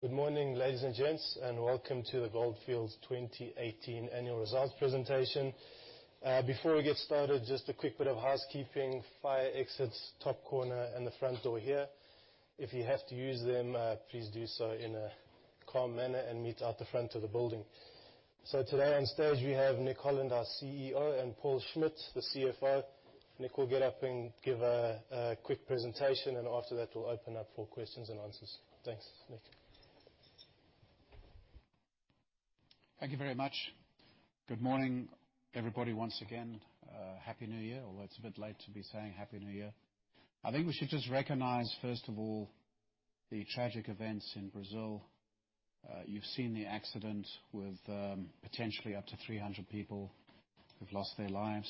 Good morning, ladies and gents, welcome to the Gold Fields 2018 annual results presentation. Before we get started, just a quick bit of housekeeping. Fire exits, top corner and the front door here. If you have to use them, please do so in a calm manner and meet out the front of the building. Today on stage we have Nick Holland, our CEO, and Paul Schmidt, the CFO. Nick will get up and give a quick presentation, and after that, we'll open up for questions and answers. Thanks. Nick? Thank you very much. Good morning, everybody. Once again, Happy New Year, although it's a bit late to be saying Happy New Year. I think we should just recognize, first of all, the tragic events in Brazil. You've seen the accident with potentially up to 300 people who've lost their lives.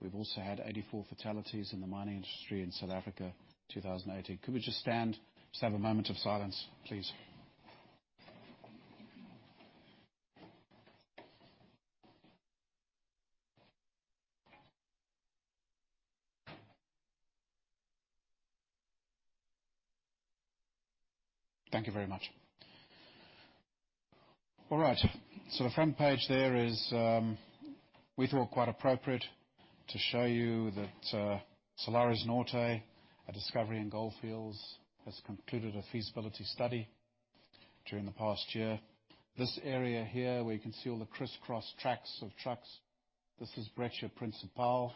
We've also had 84 fatalities in the mining industry in South Africa in 2018. Could we just stand, have a moment of silence, please? Thank you very much. All right. The front page there is we thought quite appropriate to show you that Salares Norte, a discovery in Gold Fields, has concluded a feasibility study during the past year. This area here, where you can see all the crisscross tracks of trucks, this is Brecha Principal,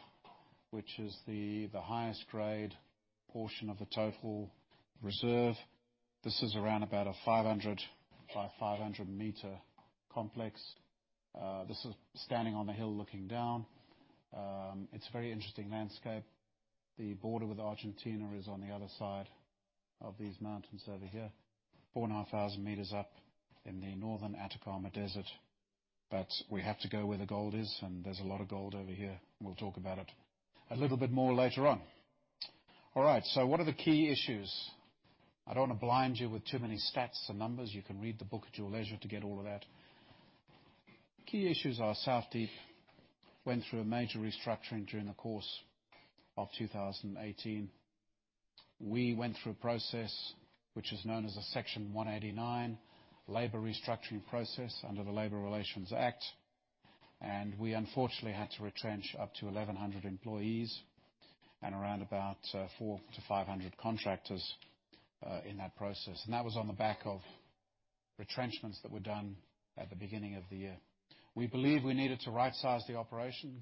which is the highest grade portion of the total reserve. This is around about a 500 m by 500 m complex. This is standing on a hill looking down. It's a very interesting landscape. The border with Argentina is on the other side of these mountains over here, 4,500 m up in the Northern Atacama Desert. We have to go where the gold is, and there's a lot of gold over here, and we'll talk about it a little bit more later on. All right, what are the key issues? I don't want to blind you with too many stats and numbers. You can read the book at your leisure to get all of that. Key issues are South Deep went through a major restructuring during the course of 2018. We went through a process which is known as a Section 189 labor restructuring process under the Labour Relations Act. We unfortunately had to retrench up to 1,100 employees and around about 400-500 contractors in that process. That was on the back of retrenchments that were done at the beginning of the year. We believe we needed to rightsize the operation,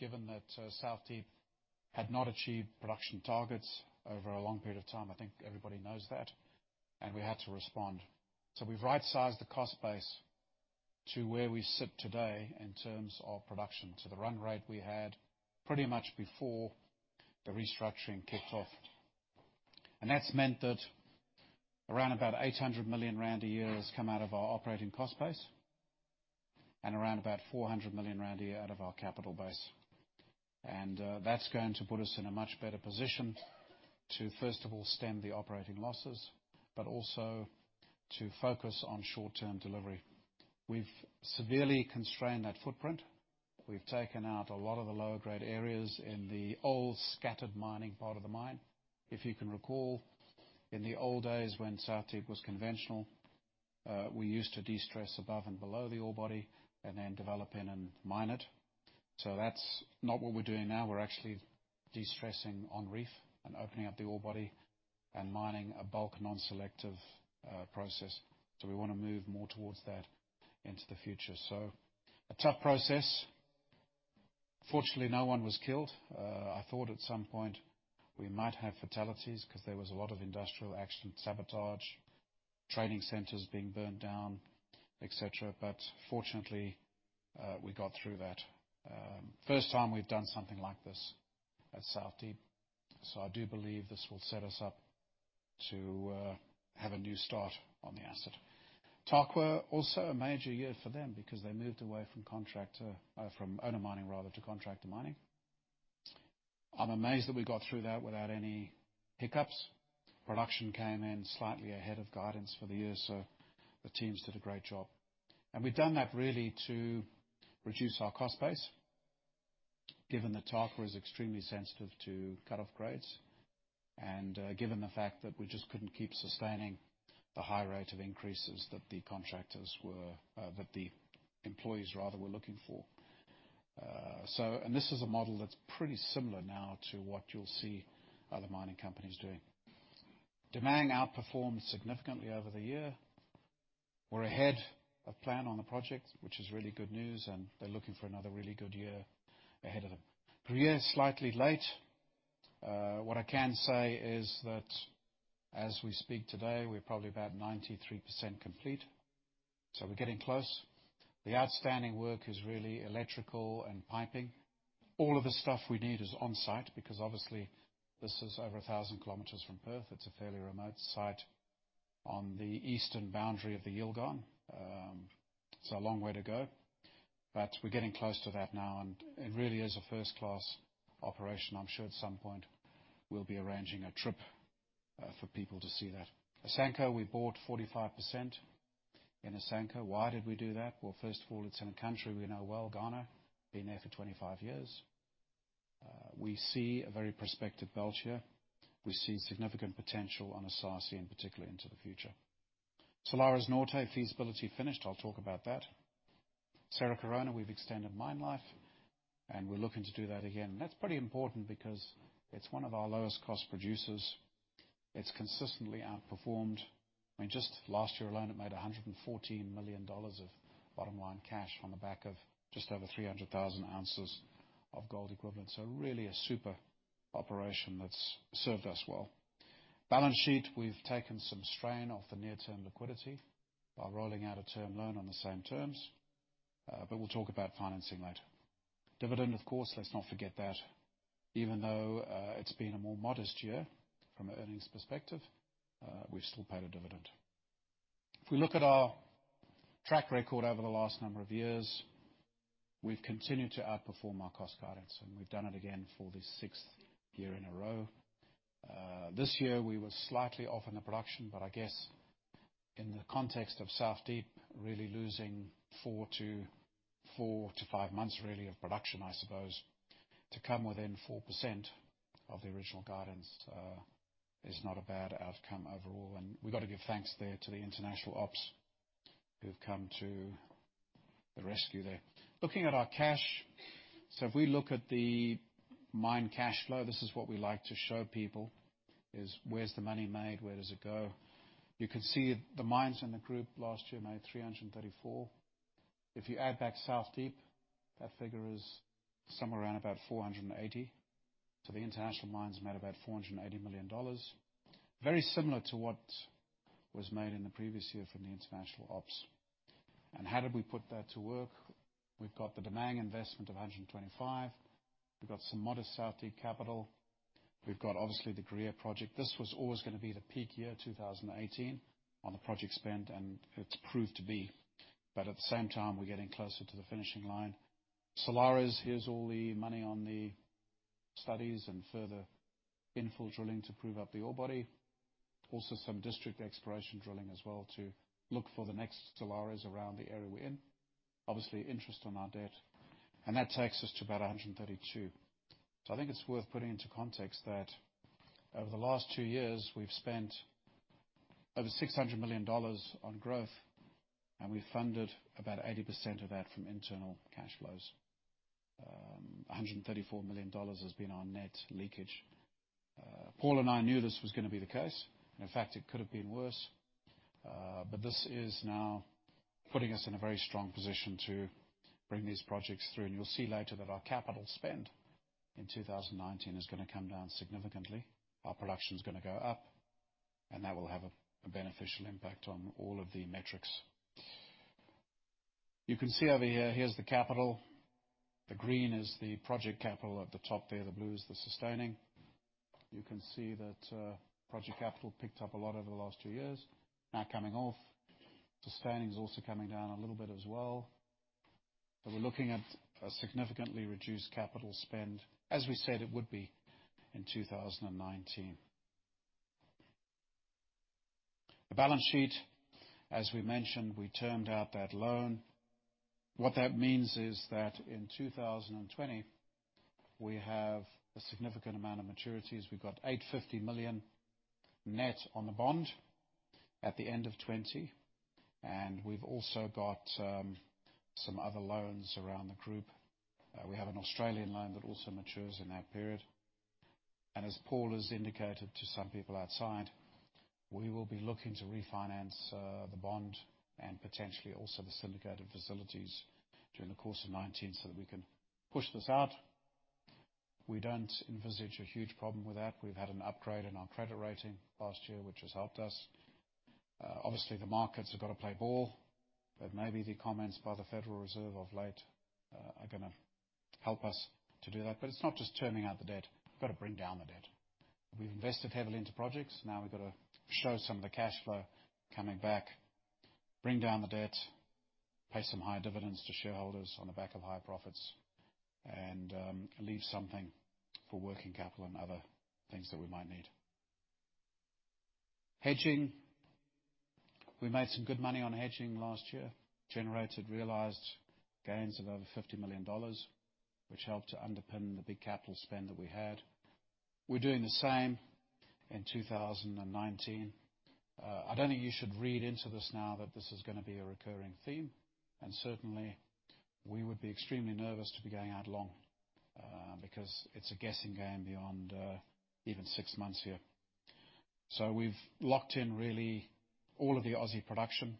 given that South Deep had not achieved production targets over a long period of time. I think everybody knows that. We had to respond. We've rightsized the cost base to where we sit today in terms of production to the run rate we had pretty much before the restructuring kicked off. That's meant that around about 800 million rand a year has come out of our operating cost base, and around about 400 million rand a year out of our capital base. That's going to put us in a much better position to, first of all, stem the operating losses, but also to focus on short-term delivery. We've severely constrained that footprint. We've taken out a lot of the lower grade areas in the old scattered mining part of the mine. If you can recall, in the old days when South Deep was conventional, we used to de-stress above and below the ore body and then develop in and mine it. That's not what we're doing now. We're actually de-stressing on reef and opening up the ore body and mining a bulk non-selective process. We want to move more towards that into the future. A tough process. Fortunately, no one was killed. I thought at some point we might have fatalities because there was a lot of industrial action sabotage, training centers being burned down, et cetera. Fortunately, we got through that. First time we've done something like this at South Deep. I do believe this will set us up to have a new start on the asset. Tarkwa, also a major year for them because they moved away from owner mining to contractor mining. I'm amazed that we got through that without any hiccups. Production came in slightly ahead of guidance for the year. The teams did a great job. We've done that really to reduce our cost base, given that Tarkwa is extremely sensitive to cut-off grades and given the fact that we just couldn't keep sustaining the high rate of increases that the employees were looking for. This is a model that's pretty similar now to what you'll see other mining companies doing. Damang outperformed significantly over the year. We're ahead of plan on the project, which is really good news, they're looking for another really good year ahead of them. Gruyere slightly late. What I can say is that as we speak today, we're probably about 93% complete. We're getting close. The outstanding work is really electrical and piping. All of the stuff we need is on-site because obviously this is over 1,000 km from Perth. It's a fairly remote site on the eastern boundary of the Yilgarn. It's a long way to go. We're getting close to that now, and it really is a first-class operation. I'm sure at some point we'll be arranging a trip for people to see that. Asanko, we bought 45% in Asanko. Why did we do that? First of all, it's in a country we know well, Ghana. Been there for 25 years. We see a very prospective bulge here. We see significant potential on Esaase, in particular, into the future. Salares Norte feasibility finished. I'll talk about that. Cerro Corona, we've extended mine life, we're looking to do that again. That's pretty important because it's one of our lowest cost producers. It's consistently outperformed. Just last year alone, it made $114 million of bottom-line cash from the back of just over 300,000 oz of gold equivalent. Really a super operation that's served us well. Balance sheet, we've taken some strain off the near-term liquidity by rolling out a term loan on the same terms. We'll talk about financing later. Dividend, of course, let's not forget that. Even though it's been a more modest year from an earnings perspective, we've still paid a dividend. If we look at our track record over the last number of years, we've continued to outperform our cost guidance, and we've done it again for the sixth year in a row. This year, we were slightly off in the production, but I guess in the context of South Deep really losing four to five months really of production, I suppose, to come within 4% of the original guidance is not a bad outcome overall. We've got to give thanks there to the international ops who've come to the rescue there. Looking at our cash. If we look at the mine cash flow, this is what we like to show people is where's the money made, where does it go? You can see the mines in the group last year made $334 million. If you add back South Deep, that figure is somewhere around about $480 million. The international mines made about $480 million. Very similar to what was made in the previous year from the international ops. How did we put that to work? We've got the Damang investment of $125 million. We've got some modest South Deep capital. We've got, obviously, the Gruyere project. This was always going to be the peak year, 2018, on the project spend, and it's proved to be. At the same time, we're getting closer to the finishing line. Salares, here's all the money on the studies and further infill drilling to prove up the ore body. Also some district exploration drilling as well to look for the next Salares around the area we're in. Obviously, interest on our debt. That takes us to about $132 million. I think it's worth putting into context that over the last two years, we've spent over $600 million on growth, and we funded about 80% of that from internal cash flows. $134 million has been our net leakage. Paul and I knew this was going to be the case. In fact, it could have been worse. This is now putting us in a very strong position to bring these projects through, and you'll see later that our capital spend in 2019 is going to come down significantly. Our production is going to go up, and that will have a beneficial impact on all of the metrics. You can see over here's the capital. The green is the project capital at the top there. The blue is the sustaining. You can see that project capital picked up a lot over the last two years, now coming off. Sustaining is also coming down a little bit as well. We're looking at a significantly reduced capital spend, as we said it would be in 2019. The balance sheet, as we mentioned, we termed out that loan. What that means is that in 2020, we have a significant amount of maturities. We've got $850 million net on the bond at the end of 2020, and we've also got some other loans around the group. We have an Australian loan that also matures in that period. As Paul has indicated to some people outside, we will be looking to refinance the bond and potentially also the syndicated facilities during the course of 2019 so that we can push this out. We don't envisage a huge problem with that. We've had an upgrade in our credit rating last year, which has helped us. Obviously, the markets have got to play ball, maybe the comments by the Federal Reserve of late are going to help us to do that. It's not just terming out the debt. We've got to bring down the debt. We've invested heavily into projects. We've got to show some of the cash flow coming back, bring down the debt, pay some higher dividends to shareholders on the back of higher profits, and leave something for working capital and other things that we might need. Hedging, we made some good money on hedging last year, generated realized gains of over $50 million, which helped to underpin the big capital spend that we had. We're doing the same in 2019. I don't think you should read into this now that this is going to be a recurring theme. Certainly, we would be extremely nervous to be going out long, because it's a guessing game beyond even six months here. We've locked in really all of the Aussie production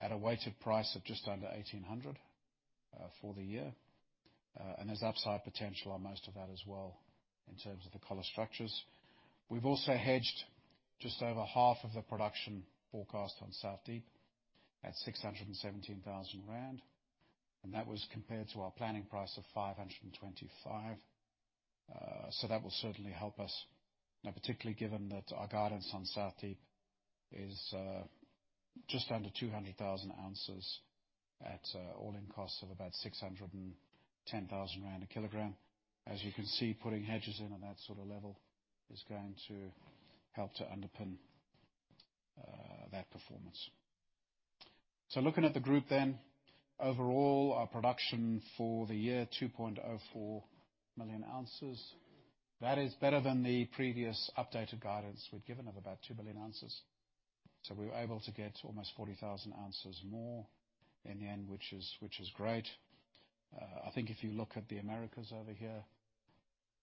at a weighted price of just under 1,800 for the year. There's upside potential on most of that as well in terms of the collar structures. We've also hedged just over half of the production forecast on South Deep at 617,000 rand, and that was compared to our planning price of 525,000. That will certainly help us, particularly given that our guidance on South Deep is just under 200,000 oz at all-in costs of about 610,000 rand a kilogram. As you can see, putting hedges in on that sort of level is going to help to underpin that performance. Looking at the group then, overall, our production for the year, 2.04 million ounces. That is better than the previous updated guidance we'd given of about 2 million ounces. We were able to get almost 40,000 oz more in the end, which is great. I think if you look at the Americas over here,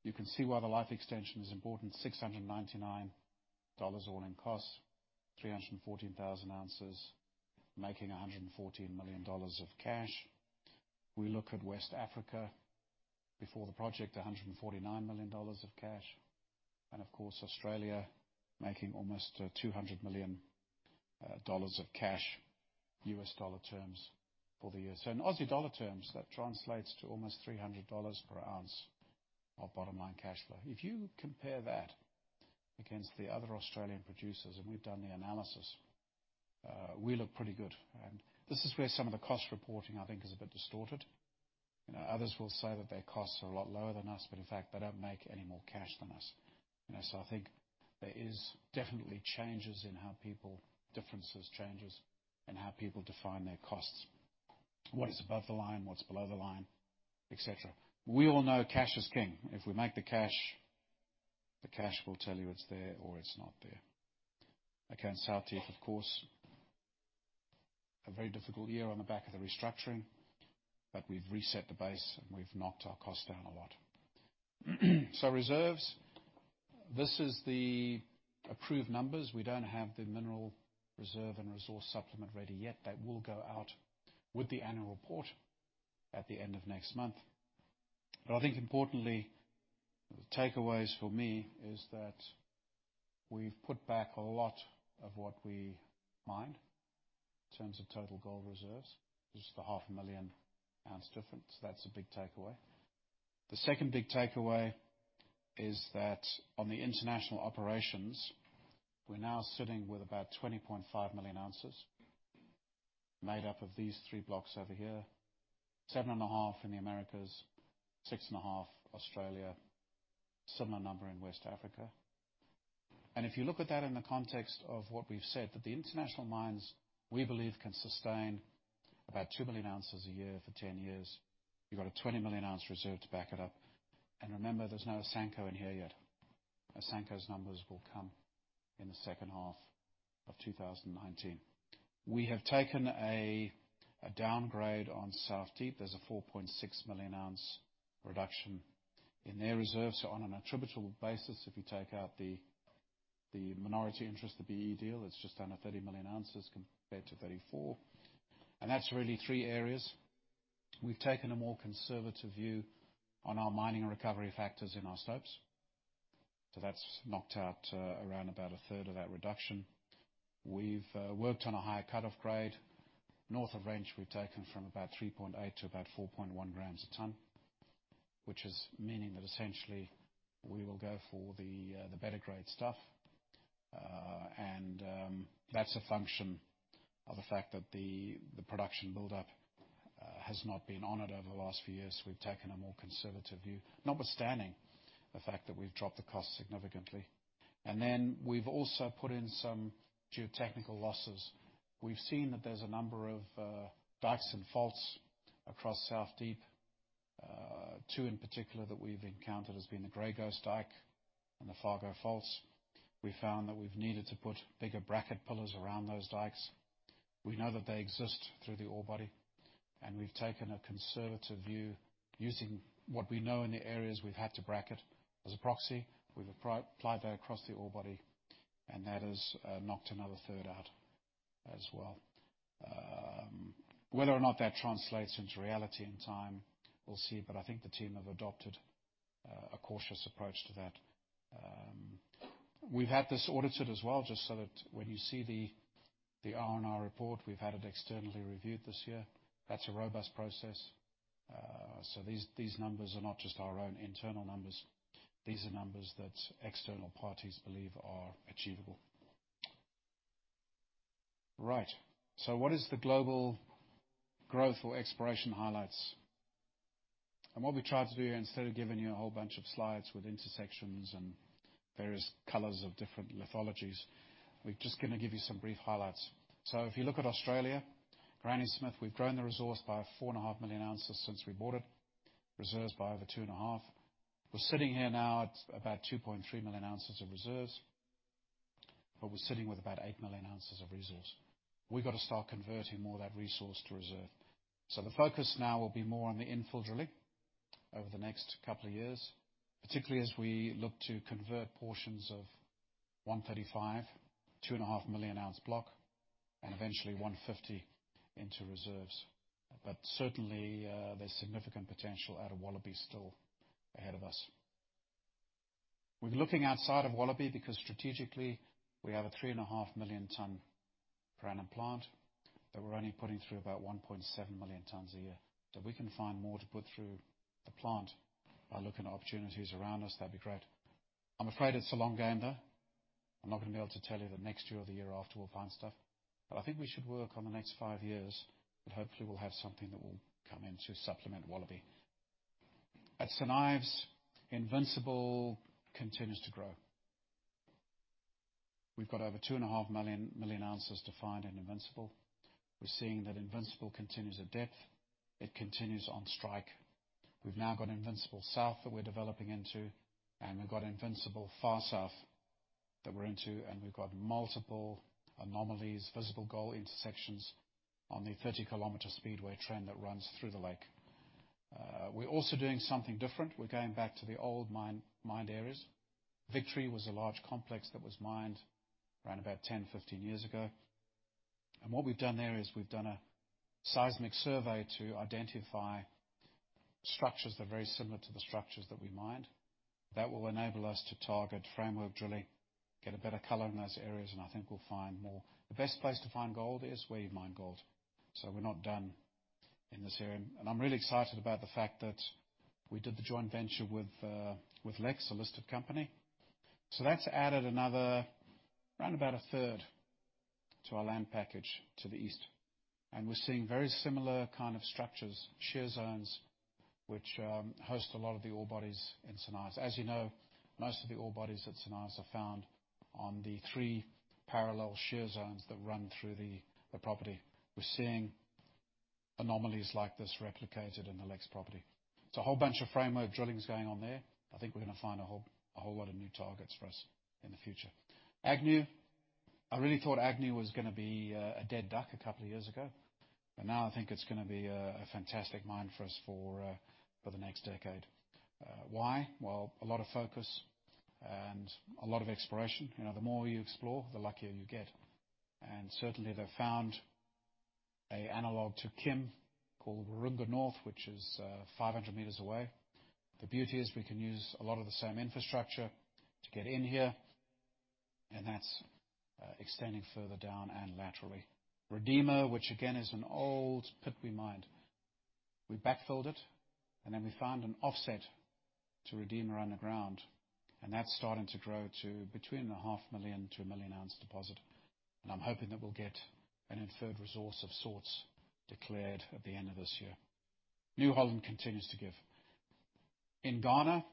you can see why the life extension is important, $699 all-in costs, 314,000 ounces, making $114 million of cash. We look at West Africa, before the project, $149 million of cash. Of course, Australia making almost $200 million of cash, U.S. dollar terms for the year. In Aussie dollar terms, that translates to almost 300 dollars per ounce of bottom-line cashflow. If you compare that against the other Australian producers, and we've done the analysis, we look pretty good. This is where some of the cost reporting, I think, is a bit distorted. Others will say that their costs are a lot lower than us, but in fact, they don't make any more cash than us. I think there is definitely differences, changes in how people define their costs. What is above the line, what's below the line, et cetera. We all know cash is king. If we make the cash, the cash will tell you it's there or it's not there. Again, South Deep, of course, a very difficult year on the back of the restructuring, but we've reset the base, and we've knocked our cost down a lot. Reserves. This is the approved numbers. We don't have the mineral reserve and resource supplement ready yet. That will go out with the annual report at the end of next month. I think importantly, the takeaways for me is that we've put back a lot of what we mined in terms of total gold reserves. Just the 500,000 oz difference. That's a big takeaway. The second big takeaway is that on the international operations, we're now sitting with about 20.5 million ounces made up of these three blocks over here, 7.5 million ounces in the Americas, 6.5 million ounces Australia, similar number in West Africa. If you look at that in the context of what we've said, that the international mines, we believe, can sustain about 2 million ounces a year for 10 years. You've got a 20 million ounce reserve to back it up. Remember, there's no Asanko in here yet. Asanko's numbers will come in the second half of 2019. We have taken a downgrade on South Deep. There's a 4.6 million ounce reduction in their reserves. On an attributable basis, if you take out the minority interest, the BEE deal, it's just under 30 million ounces compared to 34 million ounces. That's really three areas. We've taken a more conservative view on our mining recovery factors in our stopes. That's knocked out around about a third of that reduction. We've worked on a higher cut-off grade. North of Wrench, we've taken from about 3.8 g to about 4.1 g a ton, which is meaning that essentially we will go for the better grade stuff. That's a function of the fact that the production buildup has not been honored over the last few years. We've taken a more conservative view, notwithstanding the fact that we've dropped the cost significantly. We've also put in some geotechnical losses. We've seen that there's a number of dykes and faults across South Deep. Two in particular that we've encountered has been the Grey Ghost dyke and the Fargo faults. We found that we've needed to put bigger bracket pillars around those dykes. We know that they exist through the ore body. We've taken a conservative view using what we know in the areas we've had to bracket as a proxy. We've applied that across the ore body. That has knocked another third out as well. Whether or not that translates into reality and time, we'll see, but I think the team have adopted a cautious approach to that. We've had this audited as well, just so that when you see the R&R report, we've had it externally reviewed this year. That's a robust process. These numbers are not just our own internal numbers. These are numbers that external parties believe are achievable. Right. What is the global growth or exploration highlights? What we've tried to do, instead of giving you a whole bunch of slides with intersections and various colors of different lithologies, we're just going to give you some brief highlights. If you look at Australia, Granny Smith, we've grown the resource by 4.5 million ounces since we bought it, reserves by over 2.5 million ounces. We're sitting here now at about 2.3 million ounces of reserves, but we're sitting with about 8 million ounces of resource. We've got to start converting more of that resource to reserve. The focus now will be more on the infill drilling over the next couple of years, particularly as we look to convert portions of Zone 135, 2.5 million ounce block, and eventually Zone 150 into reserves. Certainly, there's significant potential out of Wallaby still ahead of us. We're looking outside of Wallaby because strategically, we have a 3.5 million ton per annum plant that we're only putting through about 1.7 million tons a year. If we can find more to put through the plant by looking at opportunities around us, that'd be great. I'm afraid it's a long game, though. I'm not going to be able to tell you that next year or the year after we'll find stuff. I think we should work on the next five years, and hopefully we'll have something that will come in to supplement Wallaby. At St Ives, Invincible continues to grow. We've got over 2.5 million ounces to find in Invincible. We're seeing that Invincible continues at depth. It continues on strike. We've now got Invincible South that we're developing into. We've got Invincible Far South that we're into, and we've got multiple anomalies, visible gold intersections on the 30 km Speedway trend that runs through the lake. We're also doing something different. We're going back to the old mined areas. Victory was a large complex that was mined around about 10, 15 years ago. What we've done there is we've done a seismic survey to identify structures that are very similar to the structures that we mined. That will enable us to target framework drilling, get a better color in those areas, and I think we'll find more. The best place to find gold is where you've mined gold. We're not done in this area. I'm really excited about the fact that we did the joint venture with LEX, a listed company. That's added another, around about a third to our land package to the east. We're seeing very similar kind of structures, shear zones, which host a lot of the ore bodies in St Ives. As you know, most of the ore bodies at St Ives are found on the three parallel shear zones that run through the property. We're seeing anomalies like this replicated in the LEX property. It's a whole bunch of framework drillings going on there. I think we're going to find a whole lot of new targets for us in the future. Agnew, I really thought Agnew was going to be a dead duck a couple of years ago. Now I think it's going to be a fantastic mine for us for the next decade. Why? A lot of focus and a lot of exploration. The more you explore, the luckier you get. Certainly, they've found an analog to Kim called Waroonga North, which is 500 m away. The beauty is we can use a lot of the same infrastructure to get in here, and that's extending further down and laterally. Redeemer, which again is an old pit we mined. We backfilled it. We found an offset to Redeemer on the ground, and that's starting to grow to between a 500,000 oz-1 million ounce deposit. I'm hoping that we'll get an inferred resource of sorts declared at the end of this year. New Holland continues to give. In Ghana,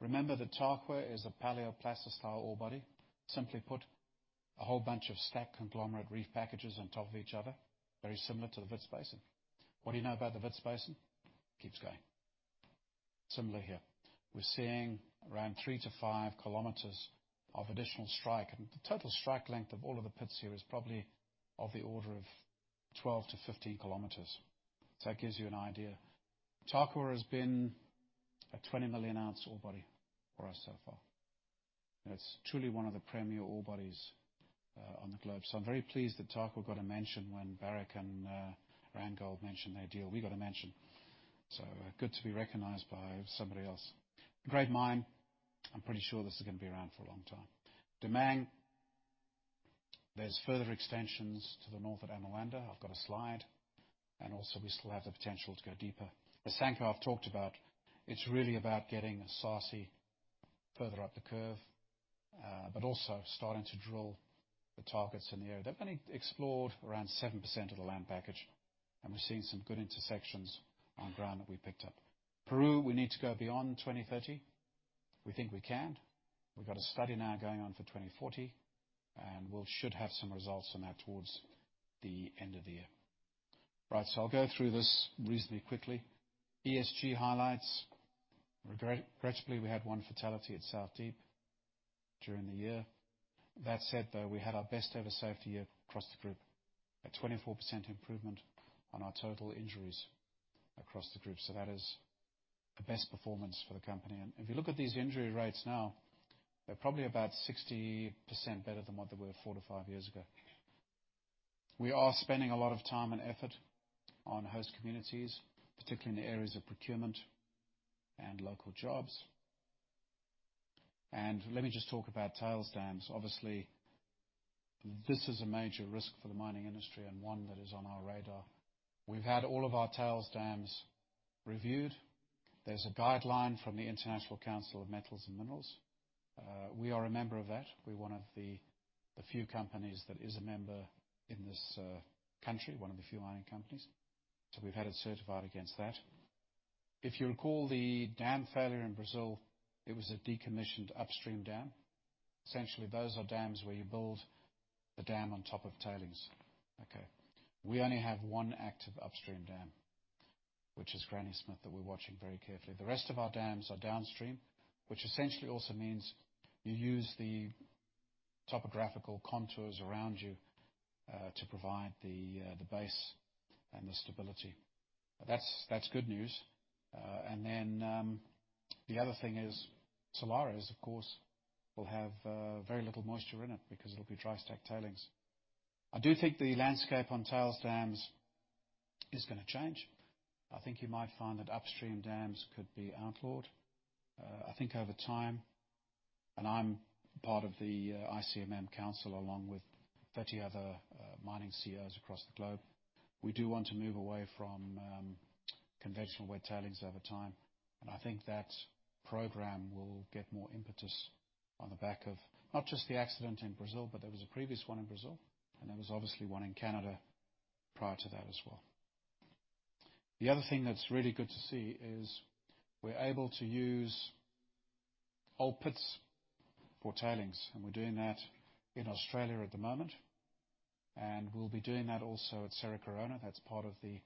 remember that Tarkwa is a paleoplacer style ore body. Simply put a whole bunch of stack conglomerate reef packages on top of each other, very similar to the Wits Basin. What do you know about the Wits Basin? It keeps going. Similar here. We're seeing around 3 km-5 km of additional strike, the total strike length of all of the pits here is probably of the order of 12 km-15 km. That gives you an idea. Tarkwa has been a 20 million ounce ore body for us so far. It's truly one of the premier ore bodies on the globe. I'm very pleased that Tarkwa got a mention when Barrick and Randgold mentioned their deal. We got a mention. Good to be recognized by somebody else. Great mine. I'm pretty sure this is going to be around for a long time. Damang, there's further extensions to the north at Amoanda. I've got a slide. Also, we still have the potential to go deeper. Asanko, I've talked about. It's really about getting Esaase further up the curve but also starting to drill the targets in the area. They've only explored around 7% of the land package, and we're seeing some good intersections on ground that we picked up. Peru, we need to go beyond 2030. We think we can. We've got a study now going on for 2040, and we should have some results on that towards the end of the year. Right. I'll go through this reasonably quickly. ESG highlights. Regrettably, we had one fatality at South Deep during the year. That said, though, we had our best ever safety year across the group, a 24% improvement on our total injuries across the group. That is the best performance for the company. If you look at these injury rates now, they're probably about 60% better than what they were four to five years ago. We are spending a lot of time and effort on host communities, particularly in the areas of procurement and local jobs. Let me just talk about tails dams. Obviously, this is a major risk for the mining industry and one that is on our radar. We've had all of our tails dams reviewed. There's a guideline from the International Council on Mining and Metals. We are a member of that. We're one of the few companies that is a member in this country, one of the few mining companies. We've had it certified against that. If you recall the dam failure in Brazil, it was a decommissioned upstream dam. Essentially, those are dams where you build the dam on top of tailings. Okay. We only have one active upstream dam, which is Granny Smith, that we're watching very carefully. The rest of our dams are downstream, which essentially also means you use the topographical contours around you to provide the base and the stability. That's good news. The other thing is, Salares, of course, will have very little moisture in it because it'll be dry stack tailings. I do think the landscape on tails dams is going to change. I think you might find that upstream dams could be outlawed. I think over time, and I'm part of the ICMM Council, along with 30 other mining CEOs across the globe, we do want to move away from conventional wet tailings over time. I think that program will get more impetus on the back of not just the accident in Brazil, but there was a previous one in Brazil, and there was obviously one in Canada prior to that as well. The other thing that's really good to see is we're able to use old pits for tailings, and we're doing that in Australia at the moment, and we'll be doing that also at Cerro Corona. That's part of the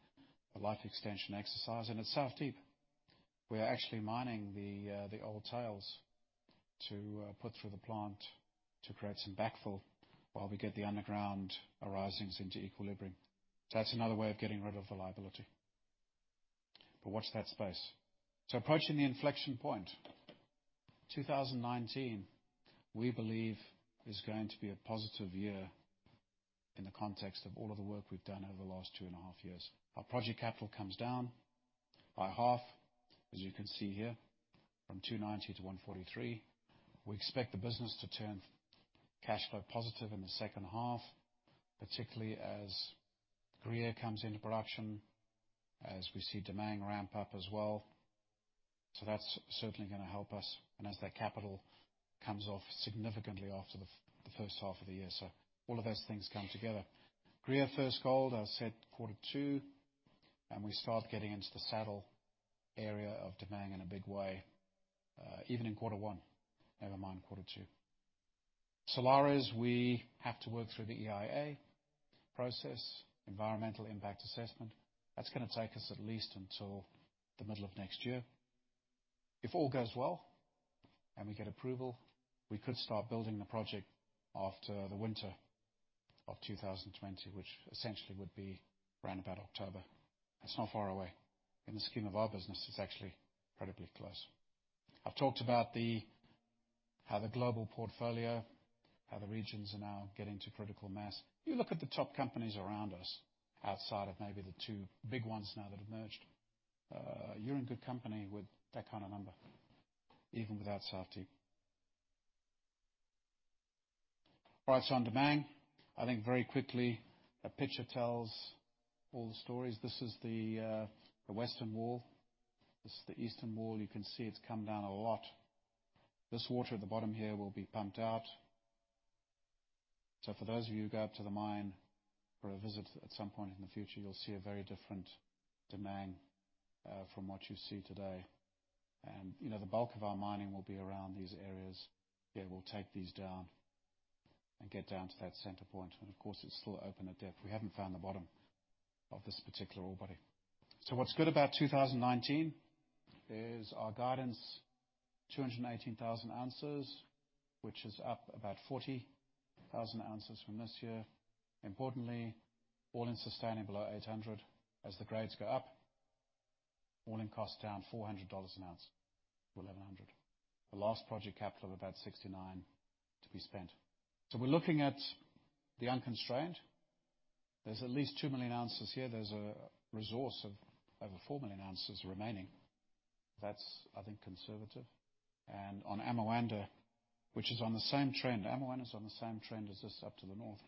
life extension exercise. At South Deep, we are actually mining the old tails to put through the plant to create some backfill while we get the underground arisings into equilibrium. That's another way of getting rid of the liability. Watch that space. Approaching the inflection point, 2019, we believe is going to be a positive year in the context of all of the work we've done over the last two and a half years. Our project capital comes down by half, as you can see here, from $290 million to $143 million. We expect the business to turn cash flow positive in the second half, particularly as Gruyere comes into production, as we see Damang ramp up as well. That's certainly going to help us, and as that capital comes off significantly after the first half of the year, so all of those things come together. Gruyere first gold, as I said, quarter two, we start getting into the saddle area of Damang in a big way, even in quarter one, never mind quarter two. Salares, we have to work through the EIA process, Environmental Impact Assessment. That's going to take us at least until the middle of next year. If all goes well and we get approval, we could start building the project after the winter of 2020, which essentially would be around about October. That's not far away. In the scheme of our business, it's actually incredibly close. I've talked about how the global portfolio, how the regions are now getting to critical mass. You look at the top companies around us, outside of maybe the two big ones now that have merged, you're in good company with that kind of number, even without South Deep. On Damang, I think very quickly, a picture tells all the stories. This is the Western wall. This is the Eastern wall. You can see it's come down a lot. This water at the bottom here will be pumped out. For those of you who go up to the mine for a visit at some point in the future, you'll see a very different Damang from what you see today. The bulk of our mining will be around these areas. Again, we'll take these down and get down to that center point. Of course, it's still open at depth. We haven't found the bottom of this particular ore body. What's good about 2019 is our guidance, 218,000 oz, which is up about 40,000 oz from this year. Importantly, all-in sustaining at $800. As the grades go up, all-in cost down $400 an ounce to $1,100. The last project capital of about $69 million to be spent. We're looking at the unconstrained. There's at least 2 million ounces here. There's a resource of over 4 million ounces remaining. That's, I think, conservative. On Amoanda, which is on the same trend, Amoanda is on the same trend as this up to the north,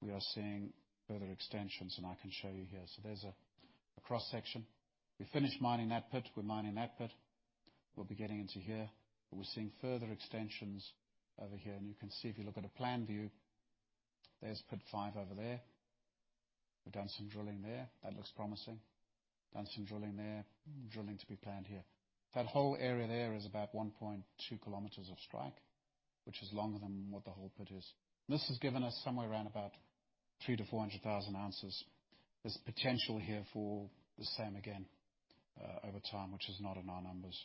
we are seeing further extensions, and I can show you here. There's a cross-section. We finished mining that pit. We're mining that pit. We'll be getting into here. We're seeing further extensions over here, and you can see if you look at a plan view, there's pit five over there. We've done some drilling there. That looks promising. Done some drilling there. Drilling to be planned here. That whole area there is about 1.2 km of strike, which is longer than what the whole pit is. This has given us somewhere around about 300,000 oz-400,000 oz. There's potential here for the same again over time, which is not in our numbers.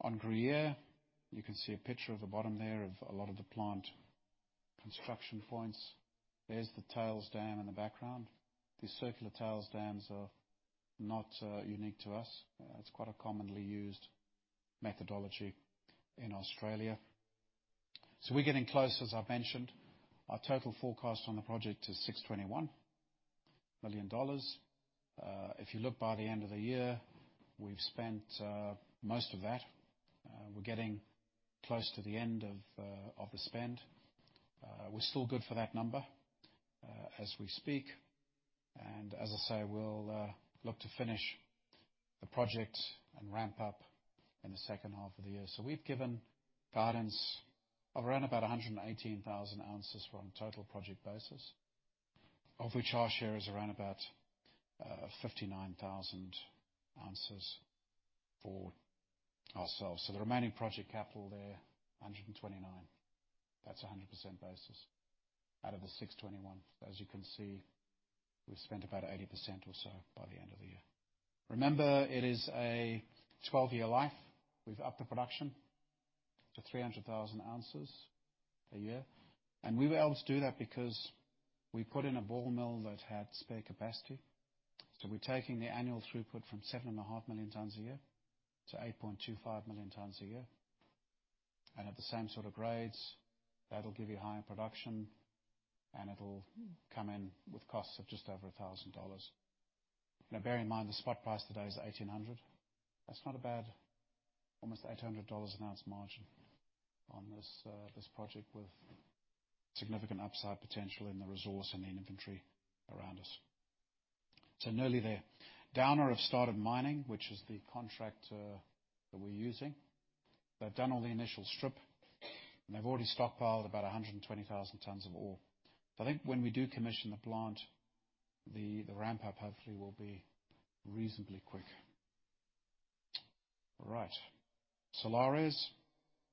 On Gruyere, you can see a picture of the bottom there of a lot of the plant construction points. There's the tails dam in the background. These circular tails dams are not unique to us. It's quite a commonly used methodology in Australia. We're getting close, as I've mentioned. Our total forecast on the project is $621 million. If you look by the end of the year, we've spent most of that. We're getting close to the end of the spend. We're still good for that number as we speak. As I say, we'll look to finish the project and ramp up in the second half of the year. We've given guidance of around about 118,000 oz from a total project basis, of which our share is around about 59,000 oz for ourselves. The remaining project capital there, $129 million. That's 100% basis out of the $621 million. As you can see, we've spent about 80% or so by the end of the year. Remember, it is a 12-year life. We've upped the production to 300,000 oz a year. We were able to do that because we put in a ball mill that had spare capacity. We're taking the annual throughput from 7.5 million tons a year to 8.25 million tons a year. At the same sort of grades, that'll give you higher production, and it'll come in with costs of just over $1,000. Now bear in mind, the spot price today is $1,800. That's not a bad almost $800 an ounce margin on this project with significant upside potential in the resource and the inventory around us. Nearly there. Downer have started mining, which is the contractor that we're using. They've done all the initial strip, and they've already stockpiled about 120,000 tons of ore. I think when we do commission the plant, the ramp-up hopefully will be reasonably quick. All right. Salares,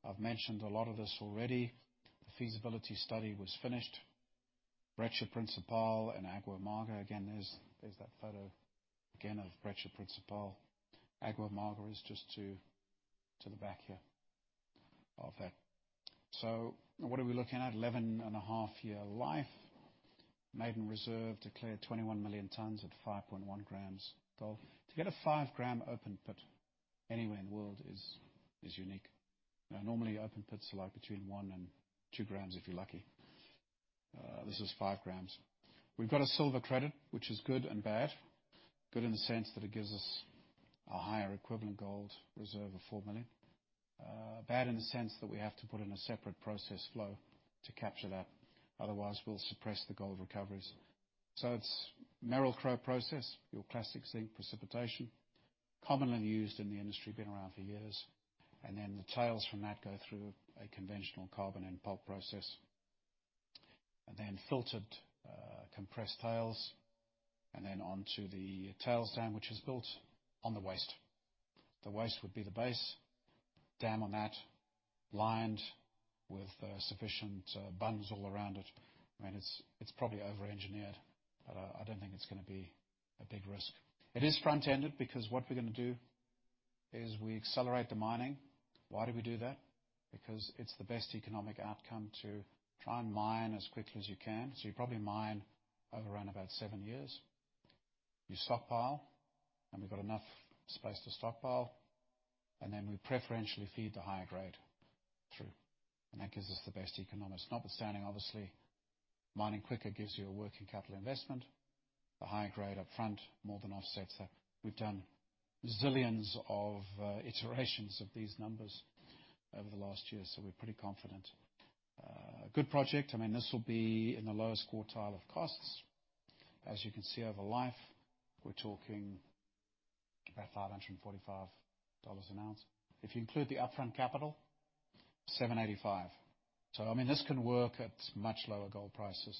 I've mentioned a lot of this already. The feasibility study was finished. Brecha Principal and Agua Amarga, again, there's that photo again of Brecha Principal. Agua Amarga is just to the back here of that. What are we looking at? 11.5-year life, a maiden reserve declared 21 million tons at 5.1 g gold. To get a 5 g open pit anywhere in the world is unique. Now, normally, open pits are like between 1 g and 2 g if you're lucky. This is 5 g. We've got a silver credit, which is good and bad. Good in the sense that it gives us a higher equivalent gold reserve of 4 million ounces. Bad in the sense that we have to put in a separate process flow to capture that. Otherwise, we'll suppress the gold recoveries. It's Merrill-Crowe process, your classic zinc precipitation, commonly used in the industry, been around for years. The tails from that go through a conventional carbon-in-pulp process. Filtered, compressed tails, and then on to the tail dam, which is built on the waste. The waste would be the base, dam on that, lined with sufficient bunts all around it. It's probably over-engineered, but I don't think it's going to be a big risk. It is front-ended because what we're going to do is we accelerate the mining. Why do we do that? Because it's the best economic outcome to try and mine as quickly as you can. You probably mine over around about seven years. You stockpile, and we've got enough space to stockpile, and then we preferentially feed the higher grade through. That gives us the best economics. Notwithstanding obviously, mining quicker gives you a working capital investment. The higher grade up front more than offsets that. We've done zillions of iterations of these numbers over the last year, so we're pretty confident. Good project. This will be in the lowest quartile of costs. As you can see over life, we're talking about $545 an ounce. If you include the upfront capital, $785. This can work at much lower gold prices.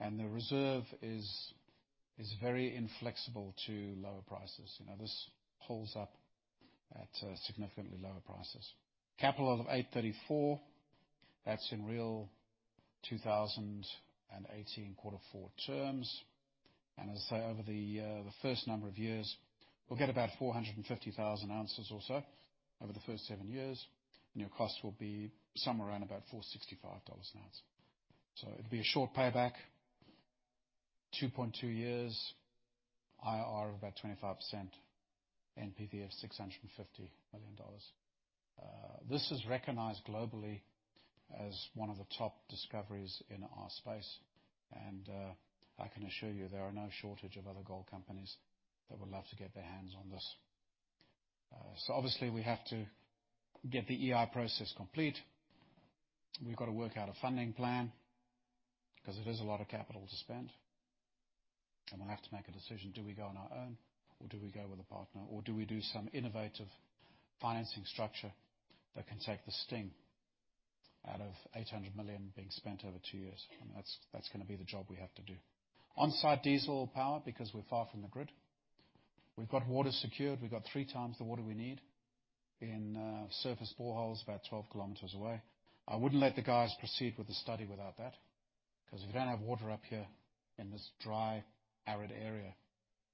The reserve is very inflexible to lower prices. This holds up at significantly lower prices. Capital of $834 million, that's in real 2018 quarter four terms. As I say, over the first number of years, we'll get about 450,000 oz or so over the first seven years, and your cost will be somewhere around about $465 an ounce. It'll be a short payback, 2.2 years, IRR of about 25%, NPV of $650 million. This is recognized globally as one of the top discoveries in our space, I can assure you there are no shortage of other gold companies that would love to get their hands on this. Obviously, we have to get the EIA process complete. We've got to work out a funding plan because it is a lot of capital to spend. We'll have to make a decision, do we go on our own or do we go with a partner or do we do some innovative financing structure that can take the sting out of $800 million being spent over two years? That's going to be the job we have to do. On-site diesel power because we're far from the grid. We've got water secured. We've got three times the water we need in surface boreholes about 12 km away. I wouldn't let the guys proceed with the study without that, because if you don't have water up here in this dry, arid area,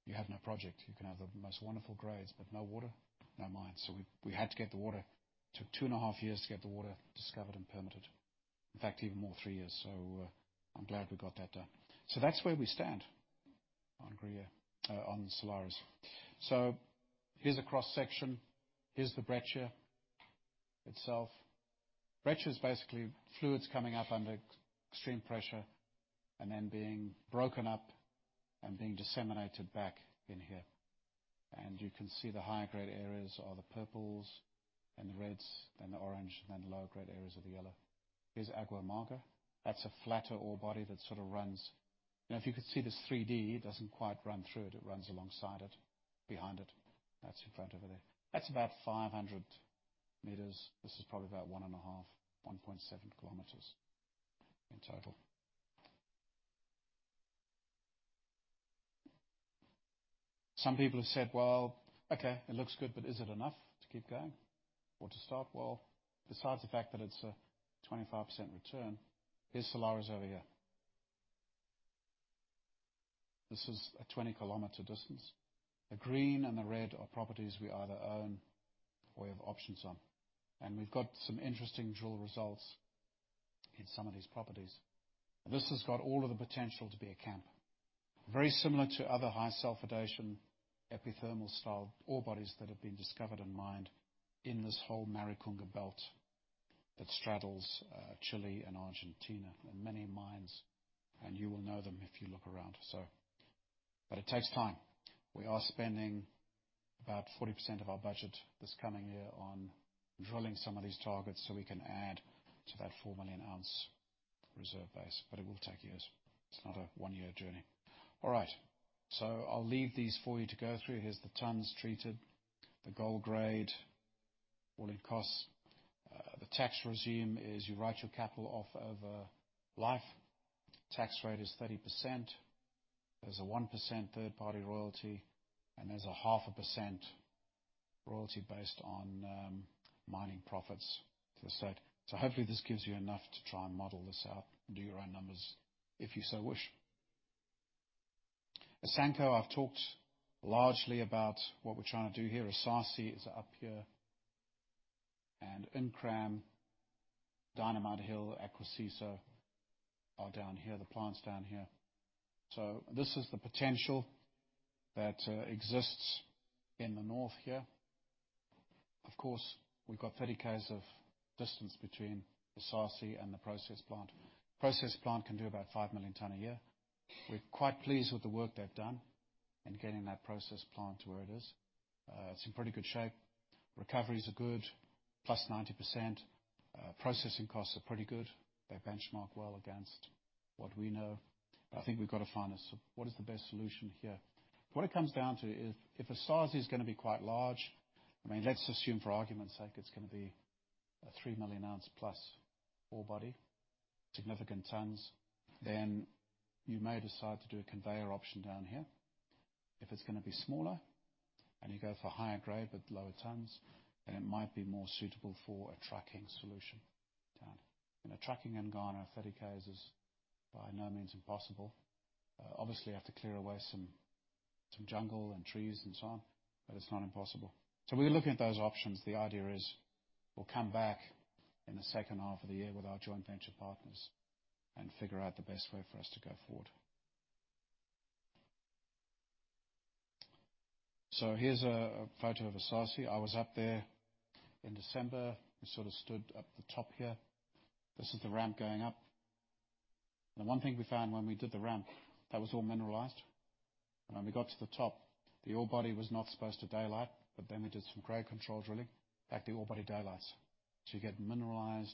you have no project. You can have the most wonderful grades, but no water, no mine. We had to get the water. Took two and a half years to get the water discovered and permitted. In fact, even more, three years. I'm glad we got that done. That's where we stand on Salares. Here's a cross-section. Here's the Brecha itself. Brecha is basically fluids coming up under extreme pressure and then being broken up and being disseminated back in here. You can see the high-grade areas are the purples and the reds, then the orange, then the low-grade areas are the yellow. Here's Agua Amarga. That's a flatter ore body that sort of runs. If you could see this 3D, it doesn't quite run through it. It runs alongside it, behind it. That's in front over there. That's about 500 m. This is probably about 1.5 km, 1.7 km in total. Some people have said, "Well, okay, it looks good, but is it enough to keep going or to start?" Besides the fact that it's a 25% return, here's Salares over here. This is a 20 km distance. The green and the red are properties we either own or we have options on. We've got some interesting drill results in some of these properties. This has got all of the potential to be a camp. Very similar to other high sulfidation, epithermal style ore bodies that have been discovered and mined in this whole Maricunga belt that straddles Chile and Argentina and many mines, and you will know them if you look around. It takes time. We are spending about 40% of our budget this coming year on drilling some of these targets, so we can add to that 4 million ounce reserve base. It will take years. It's not a one-year journey. All right. I'll leave these for you to go through. Here's the tons treated, the gold grade, all-in costs. The tax regime is you write your capital off over life. Tax rate is 30%. There's a 1% third-party royalty, and there's a 0.5% royalty based on mining profits to the state. Hopefully, this gives you enough to try and model this out and do your own numbers if you so wish. Asanko, I've talked largely about what we're trying to do here. Esaase is up here, and Nkran, Dynamite Hill, Akwasiso are down here, the plant's down here. This is the potential that exists in the north here. Of course, we've got 30 km of distance between Esaase and the process plant. Process plant can do about 5 million tons a year. We're quite pleased with the work they've done in getting that process plant to where it is. It's in pretty good shape. Recoveries are good, +90%. Processing costs are pretty good. They benchmark well against what we know. I think we've got to find what is the best solution here. What it comes down to is if Esaase is going to be quite large, let's assume for argument's sake, it's going to be a 3 million ounce plus ore body, significant tons, then you may decide to do a conveyor option down here. If it's going to be smaller and you go for higher grade but lower tons, then it might be more suitable for a trucking solution down. Trucking in Ghana, 30 km is by no means impossible. Obviously, you have to clear away some jungle and trees and so on, but it's not impossible. We're looking at those options. The idea is we'll come back in the second half of the year with our joint venture partners and figure out the best way for us to go forward. Here's a photo of Esaase. I was up there in December and sort of stood up the top here. This is the ramp going up. The one thing we found when we did the ramp, that was all mineralized. When we got to the top, the ore body was not supposed to daylight, but we did some grade control drilling, in fact, the ore body daylights. You get mineralized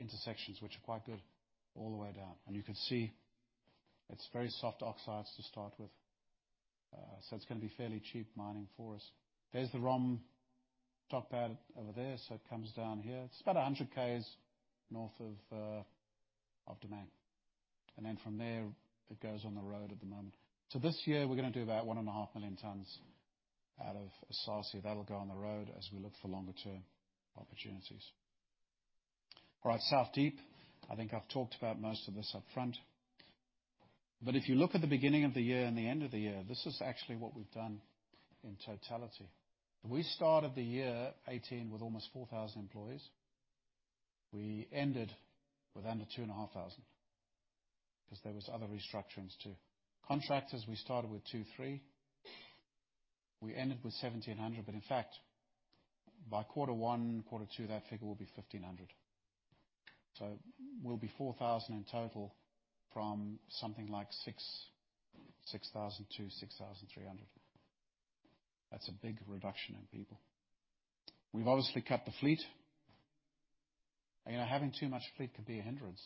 intersections, which are quite good all the way down. You can see it's very soft oxides to start with. It's going to be fairly cheap mining for us. There's the ROM top pad over there, so it comes down here. It's about 100 km north of Damang. From there, it goes on the road at the moment. This year, we're going to do about 1.5 million tons out of Esaase. That'll go on the road as we look for longer-term opportunities. All right, South Deep, I think I've talked about most of this up front. If you look at the beginning of the year and the end of the year, this is actually what we've done in totality. We started the year 2018 with almost 4,000 employees. We ended with under 2,500 because there was other restructurings too. Contractors, we started with 2,300. We ended with 1,700, but in fact, by quarter one, quarter two, that figure will be 1,500. We'll be 4,000 in total from something like 6,200-6,300. That's a big reduction in people. We've obviously cut the fleet. Having too much fleet can be a hindrance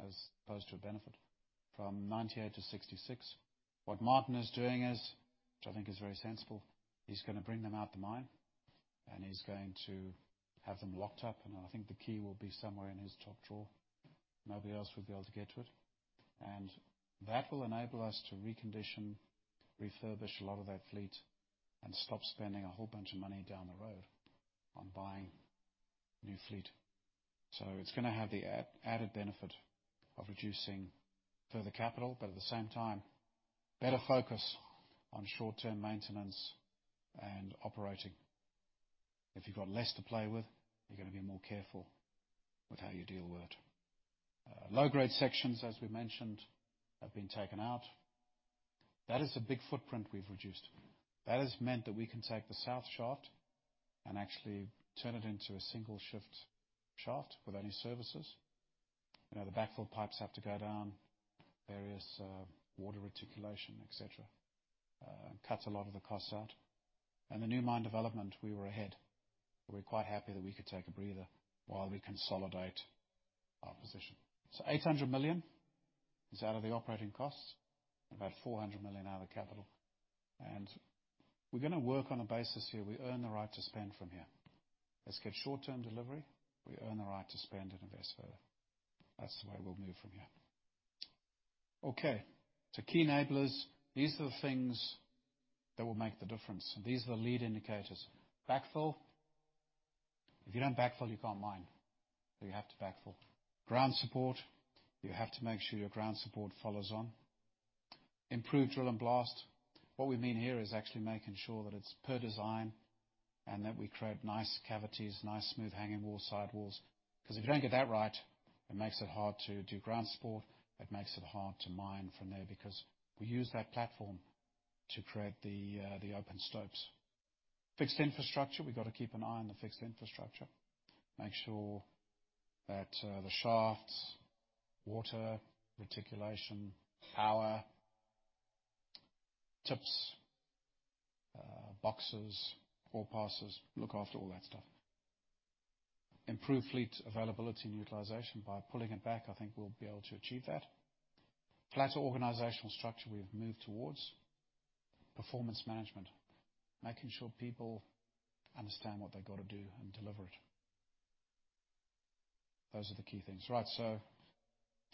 as opposed to a benefit. From 98 to 66. What Martin is doing is, which I think is very sensible, he's going to bring them out the mine, he's going to have them locked up, I think the key will be somewhere in his top drawer. Nobody else will be able to get to it. That will enable us to recondition, refurbish a lot of that fleet and stop spending a whole bunch of money down the road on buying new fleet. It's going to have the added benefit of reducing further capital, but at the same time, better focus on short-term maintenance and operating. If you've got less to play with, you're going to be more careful with how you deal with it. Low-grade sections, as we mentioned, have been taken out. That is a big footprint we've reduced. That has meant that we can take the south shaft and actually turn it into a single shift shaft without any services. The backfill pipes have to go down various water reticulation, et cetera. Cuts a lot of the costs out. The new mine development, we were ahead. We're quite happy that we could take a breather while we consolidate our position. 800 million is out of the operating costs, about 400 million out of capital. We're going to work on a basis here. We earn the right to spend from here. Let's get short-term delivery. We earn the right to spend and invest further. That's the way we'll move from here. Key enablers, these are the things that will make the difference. These are the lead indicators. Backfill, if you don't backfill, you can't mine. You have to backfill. Ground support, you have to make sure your ground support follows on. Improved drill and blast. What we mean here is actually making sure that it's per design and that we create nice cavities, nice smooth hanging wall, side walls, because if you don't get that right, it makes it hard to do ground support. It makes it hard to mine from there because we use that platform to create the open stopes. Fixed infrastructure, we've got to keep an eye on the fixed infrastructure, make sure that the shafts, water, reticulation, power, tips, boxes, ore passes, look after all that stuff. Improve fleet availability and utilization. By pulling it back, I think we'll be able to achieve that. Flat organizational structure we've moved towards. Performance management, making sure people understand what they got to do and deliver it. Those are the key things. Right.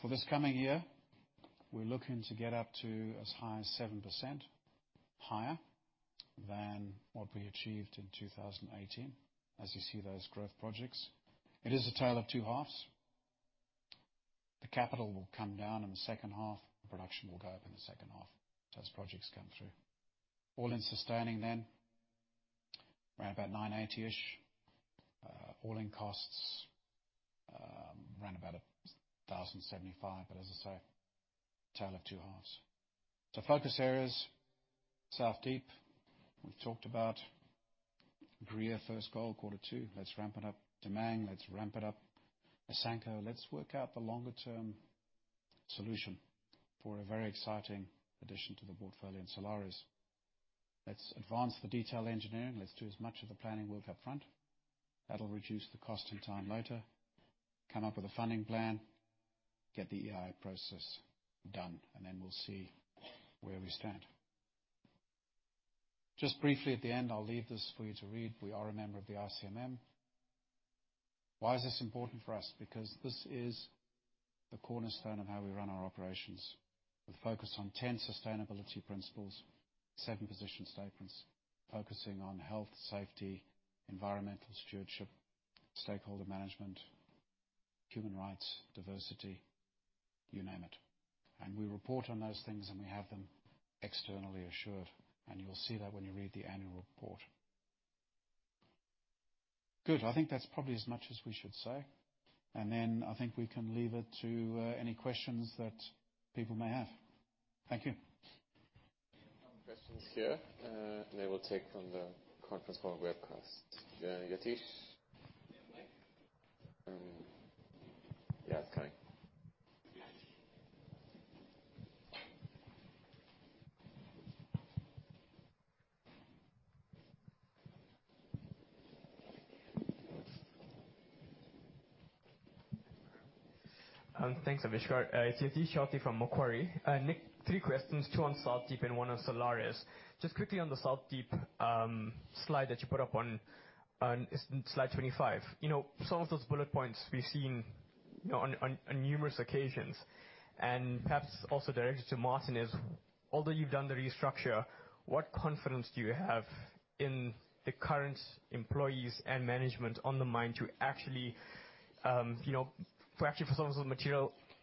For this coming year, we're looking to get up to as high as 7% higher than what we achieved in 2018, as you see those growth projects. It is a tale of two halves. The capital will come down in the second half, the production will go up in the second half as projects come through. All-in sustaining then, around about $980-ish, all-in costs around about $1,075, but as I say, tale of two halves. Focus areas, South Deep, we've talked about. Gruyere first gold quarter two, let's ramp it up. Damang, let's ramp it up. Asanko, let's work out the longer-term solution for a very exciting addition to the portfolio in Salares. Let's advance the detail engineering. Let's do as much of the planning work up front. That'll reduce the cost and time later. Come up with a funding plan, get the EIA process done, and then we'll see where we stand. Just briefly at the end, I'll leave this for you to read. We are a member of the ICMM. Why is this important for us? This is the cornerstone of how we run our operations. With focus on 10 sustainability principles, seven position statements, focusing on health, safety, environmental stewardship, stakeholder management, human rights, diversity, you name it. We report on those things, and we have them externally assured, and you'll see that when you read the annual report. Good. I think that's probably as much as we should say, and then I think we can leave it to any questions that people may have. Thank you. Questions here, and then we'll take from the conference call webcast. Yatish. Yeah, it's coming. Thanks, Avishkar. It's Yatish Chowthee from Macquarie. Nick, three questions, two on South Deep and one on Salares. Just quickly on the South Deep slide that you put up on slide 25. Some of those bullet points we've seen on numerous occasions, and perhaps also directed to Martin is, although you've done the restructure, what confidence do you have in the current employees and management on the mine to actually for some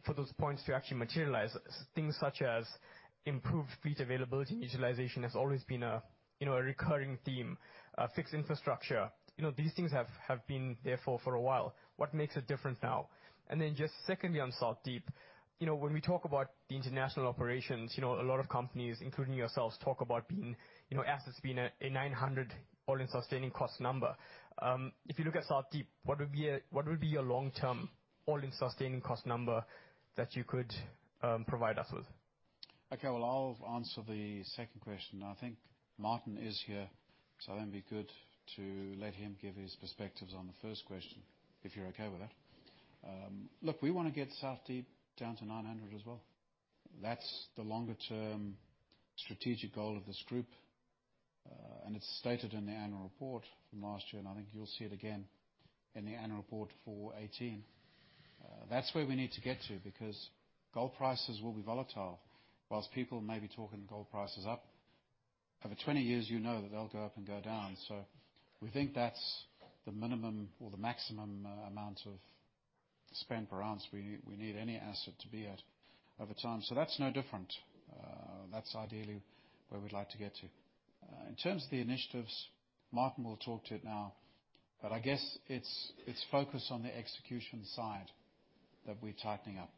of those points to actually materialize? Things such as improved fleet availability and utilization has always been a recurring theme. Fixed infrastructure, these things have been there for a while. What makes it different now? Just secondly, on South Deep, when we talk about the international operations, a lot of companies, including yourselves, talk about assets being a $900 all-in sustaining cost number. If you look at South Deep, what would be a long-term all-in sustaining cost number that you could provide us with? Well, I'll answer the second question. I think Martin is here, so I think it'd be good to let him give his perspectives on the first question, if you're okay with that. Look, we want to get South Deep down to $900 as well. That's the longer-term strategic goal of this group, and it's stated in the annual report from last year, and I think you'll see it again in the annual report for 2018. That's where we need to get to because gold prices will be volatile. Whilst people may be talking gold prices up, over 20 years you know that they'll go up and go down. We think that's the minimum or the maximum amount of spend per ounce we need any asset to be at over time. That's no different. That's ideally where we'd like to get to. In terms of the initiatives, Martin will talk to it now. I guess it's focused on the execution side that we're tightening up.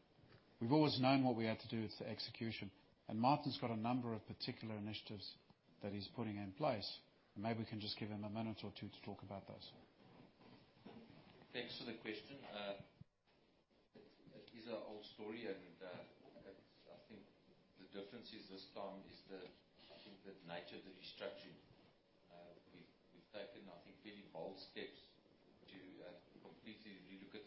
We've always known what we had to do with the execution, and Martin's got a number of particular initiatives that he's putting in place, and maybe we can just give him a minute or two to talk about those. Thanks for the question. It is an old story, I think the difference is this time is the nature of the restructuring. We've taken very bold steps to completely relook at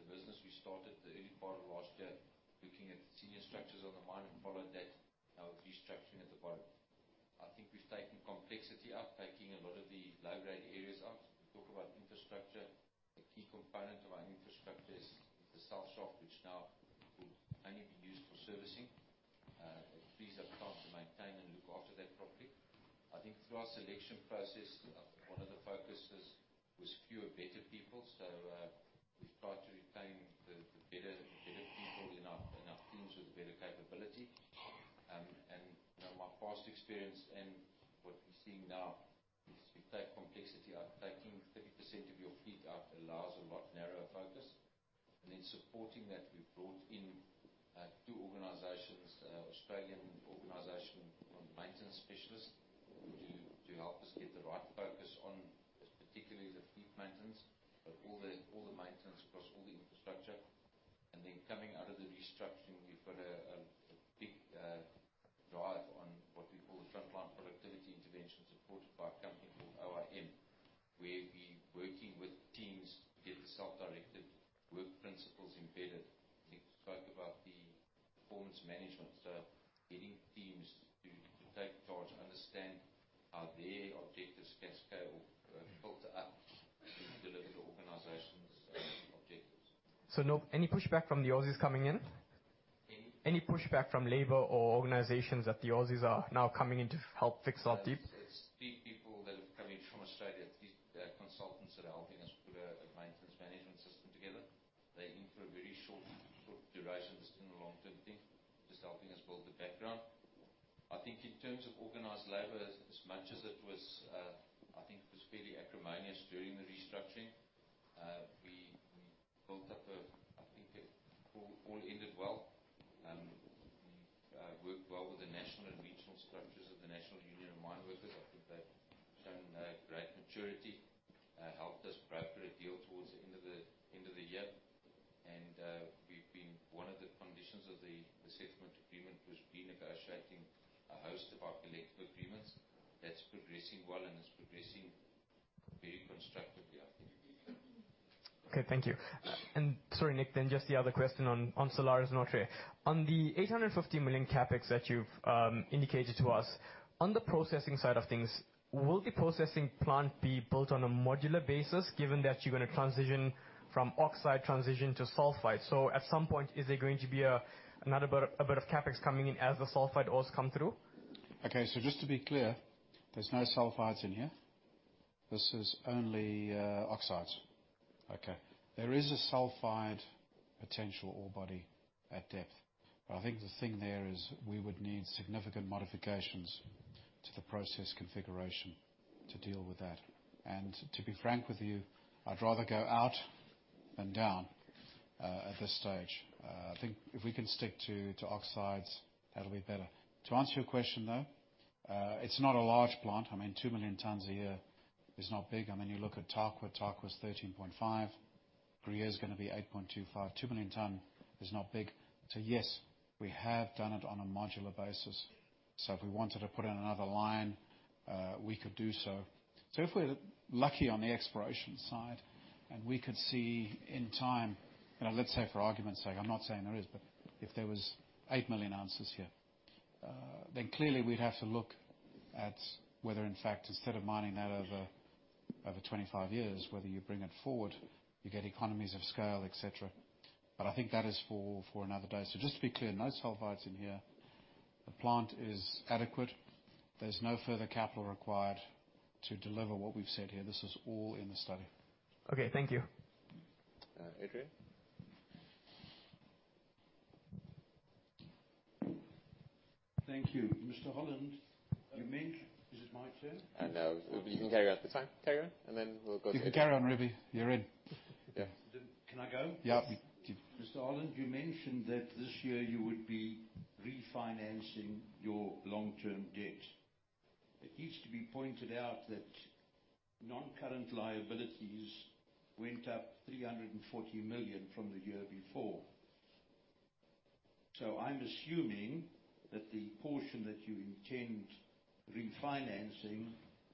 the business. We started the early part of last year looking at senior structures on the mine and followed that with restructuring at the bottom. I think we've taken complexity out, taking a lot of the low-grade areas out. We talk about infrastructure. A key component of our infrastructure is the south shaft which now will only be used for servicing. It frees up time to maintain and look after that properly. I think through our selection process, one of the focuses was fewer better people. We've tried to retain the better people in our teams with better capability. My past experience and what we're seeing now is we take complexity out. Taking 30% of your fleet out allows a lot narrower focus. In supporting that, we've brought in two organizations, an Australian organization on maintenance specialists to help us get the right focus on particularly the fleet maintenance, but all the maintenance across all the infrastructure. Coming out of the restructuring, we've got a big drive on what we call the frontline productivity intervention supported by a company called OIM, where we're working with teams to get the self-directed work principles embedded. Nick spoke about the performance management stuff, getting teams to take charge, understand how their objectives cascade or filter up to deliver the organization's objectives. Any pushback from the Aussies coming in? Any? Any pushback from labor or organizations that the Aussies are now coming in to help fix South Deep? It's three people that have come in from Australia, three consultants that are helping us put a maintenance management system together. They're in for a very short duration. This isn't a long-term thing, just helping us build the background. I think in terms of organized labor, as much as it was fairly acrimonious during the restructuring, we built up. I think it all ended well. We've worked well with the national and regional structures of the National Union of Mineworkers. I think they've shown great maturity, helped us broker a deal towards the end of the year. One of the conditions of the settlement agreement was renegotiating a host of our collective agreements. That's progressing well, and it's progressing very constructively, I think. Okay. Thank you. Sorry, Nick, just the other question on Salares Norte. On the $850 million CapEx that you've indicated to us, on the processing side of things, will the processing plant be built on a modular basis given that you're going to transition from oxide transition to sulfide? At some point, is there going to be another bit of CapEx coming in as the sulfide ores come through? Just to be clear, there's no sulfides in here. This is only oxides. There is a sulfide potential ore body at depth. I think the thing there is we would need significant modifications to the process configuration to deal with that. To be frank with you, I'd rather go out than down, at this stage. I think if we can stick to oxides, that'll be better. To answer your question, though, it's not a large plant. 2 million tons a year is not big. You look at Tarkwa. Tarkwa's 13.5 million tons. Gruyere's gonna be 8.25 million tons. 2 million ton is not big. Yes, we have done it on a modular basis. If we wanted to put in another line, we could do so. If we're lucky on the exploration side and we could see in time, let's say for argument's sake, I'm not saying there is, but if there was 8 million ounces here, then clearly we'd have to look at whether in fact instead of mining that over 25 years, whether you bring it forward, you get economies of scale, et cetera. I think that is for another day. Just to be clear, no sulfides in here. The plant is adequate. There's no further capital required to deliver what we've said here. This is all in the study. Okay. Thank you. Adrian? Thank you. Mr. Holland, is this my turn? No. You can carry on. It's fine. Carry on. You can carry on, Ruby. You're in. Yeah. Can I go? Yeah. Mr. Holland, you mentioned that this year you would be refinancing your long-term debt. It needs to be pointed out that non-current liabilities went up $340 million from the year before. I'm assuming that the portion that you intend refinancing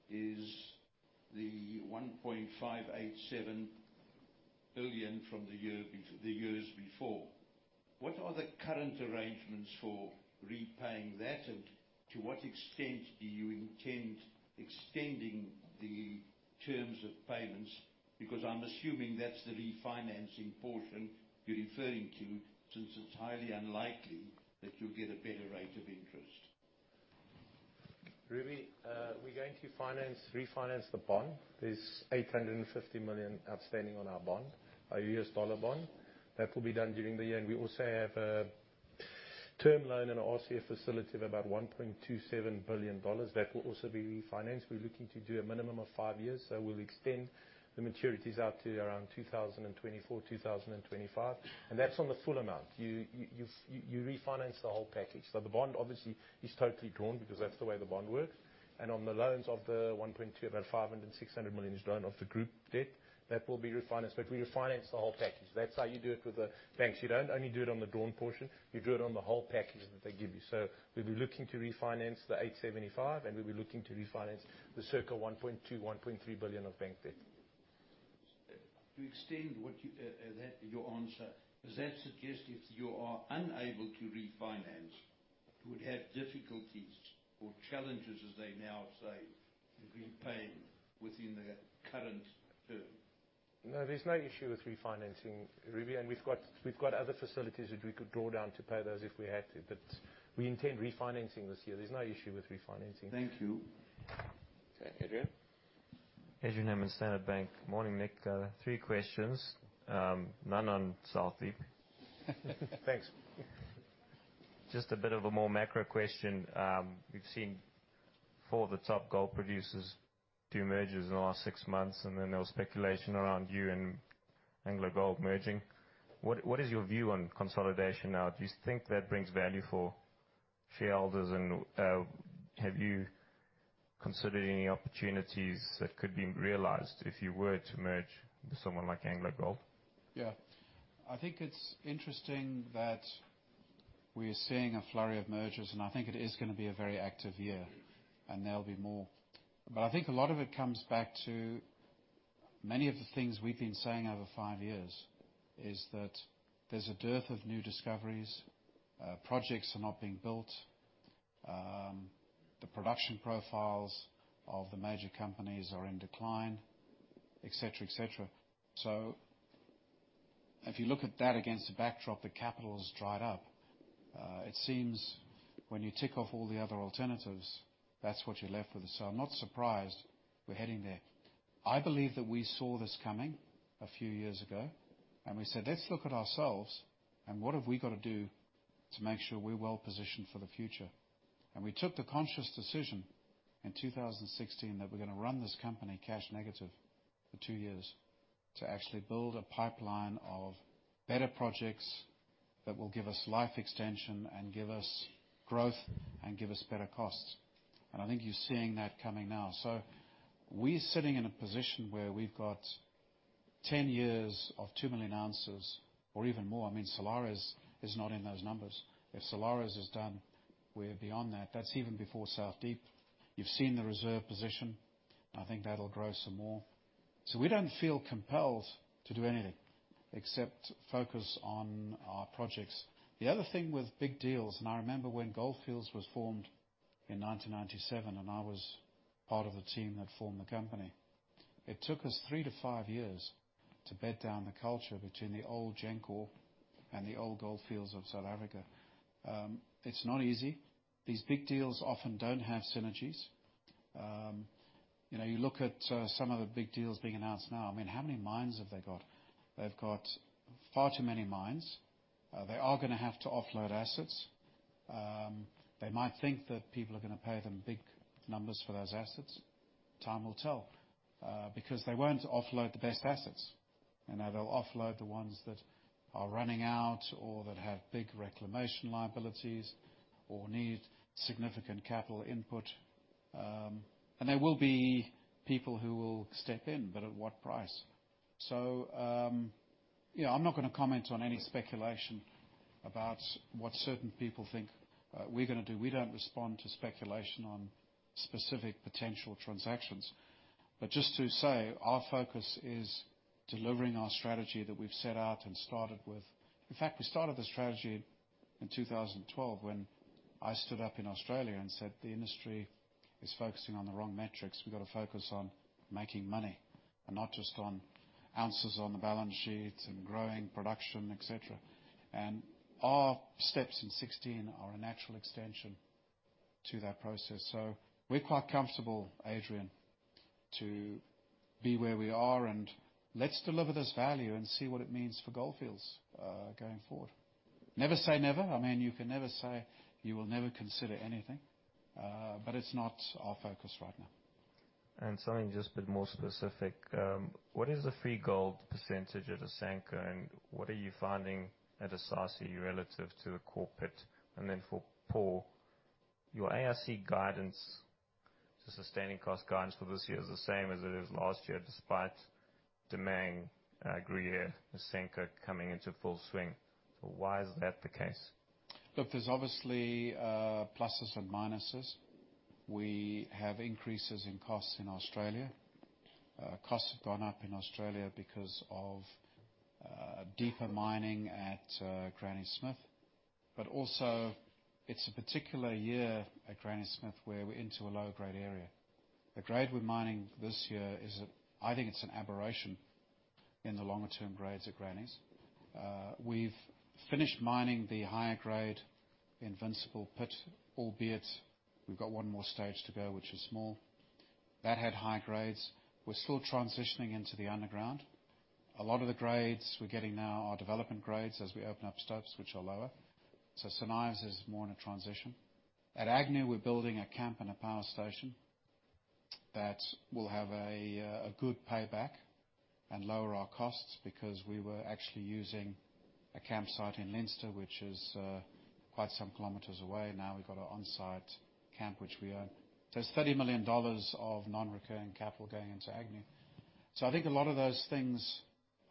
is the $1.587 billion from the years before. What are the current arrangements for repaying that, and to what extent do you intend extending the terms of payments? I'm assuming that's the refinancing portion you're referring to, since it's highly unlikely that you'll get a better rate of interest. Ruby, we're going to refinance the bond. There's $850 million outstanding on our bond, our U.S. dollar bond. That will be done during the year. We also have a term loan and an RCF facility of about $1.27 billion. That will also be refinanced. We're looking to do a minimum of five years. We'll extend the maturities out to around 2024, 2025. That's on the full amount. You refinance the whole package. The bond obviously is totally drawn because that's the way the bond works. On the loans of the $1.2 billion, about $500 million-$600 million is drawn off the group debt. That will be refinanced. We refinance the whole package. That's how you do it with the banks. You don't only do it on the drawn portion, you do it on the whole package that they give you. We'll be looking to refinance the $875 million, and we'll be looking to refinance the circa $1.2 billion-$1.3 billion of bank debt. To extend your answer, does that suggest if you are unable to refinance, you would have difficulties or challenges, as they now say, in repaying within the current term? No, there's no issue with refinancing, Ruby. We've got other facilities that we could draw down to pay those if we had to. We intend refinancing this year. There's no issue with refinancing. Thank you. Okay, Adrian. Adrian Hammond, Standard Bank. Morning, Nick. Three questions, none on South Deep. Thanks. Just a bit of a more macro question. We've seen four of the top gold producers do mergers in the last six months, and then there was speculation around you and AngloGold merging. What is your view on consolidation now? Do you think that brings value for shareholders, and have you considered any opportunities that could be realized if you were to merge with someone like AngloGold? I think it's interesting that we are seeing a flurry of mergers, and I think it is going to be a very active year, and there'll be more. I think a lot of it comes back to many of the things we've been saying over five years, is that there's a dearth of new discoveries, projects are not being built, the production profiles of the major companies are in decline, et cetera. If you look at that against the backdrop, the capital has dried up. It seems when you tick off all the other alternatives, that's what you're left with. I'm not surprised we're heading there. I believe that we saw this coming a few years ago, we said, "Let's look at ourselves, and what have we got to do to make sure we're well positioned for the future?" We took the conscious decision in 2016 that we're going to run this company cash negative for two years to actually build a pipeline of better projects that will give us life extension and give us growth and give us better costs. I think you're seeing that coming now. We're sitting in a position where we've got 10 years of 2 million ounces or even more. I mean, Salares is not in those numbers. If Salares is done, we're beyond that. That's even before South Deep. You've seen the reserve position. I think that'll grow some more. We don't feel compelled to do anything except focus on our projects. The other thing with big deals, I remember when Gold Fields was formed in 1997, I was part of the team that formed the company, it took us three to five years to bed down the culture between the old Glencore and the old Gold Fields of South Africa. It's not easy. These big deals often don't have synergies. You look at some of the big deals being announced now. I mean, how many mines have they got? They've got far too many mines. They are going to have to offload assets. They might think that people are going to pay them big numbers for those assets. Time will tell. They won't offload the best assets. Now they'll offload the ones that are running out or that have big reclamation liabilities or need significant capital input. There will be people who will step in, but at what price? I'm not going to comment on any speculation about what certain people think we're going to do. We don't respond to speculation on specific potential transactions. Just to say, our focus is delivering our strategy that we've set out and started with. In fact, we started the strategy in 2012 when I stood up in Australia and said, "The industry is focusing on the wrong metrics. We've got to focus on making money, and not just on ounces on the balance sheet and growing production, et cetera." Our steps in 2016 are a natural extension to that process. We're quite comfortable, Adrian, to be where we are, and let's deliver this value and see what it means for Gold Fields going forward. Never say never. I mean, you can never say you will never consider anything. It's not our focus right now. Something just a bit more specific. What is the free gold percentage at Asanko, and what are you finding at Esaase relative to the core pit? For Paul, your AISC guidance to sustaining cost guidance for this year is the same as it is last year, despite Damang, Gruyere, Asanko coming into full swing. Why is that the case? Look, there's obviously pluses and minuses. We have increases in costs in Australia. Costs have gone up in Australia because of deeper mining at Granny Smith. Also, it's a particular year at Granny Smith where we're into a low-grade area. The grade we're mining this year is, I think it's an aberration in the longer-term grades at Granny's. We've finished mining the higher grade Invincible pit, albeit we've got one more stage to go, which is small. That had high grades. We're still transitioning into the underground. A lot of the grades we're getting now are development grades as we open up stops, which are lower. St Ives is more in a transition. At Agnew, we're building a camp and a power station that will have a good payback and lower our costs because we were actually using a campsite in Leinster, which is quite some kilometers away. Now we've got an on-site camp, which we own. There's $30 million of non-recurring capital going into Agnew. I think a lot of those things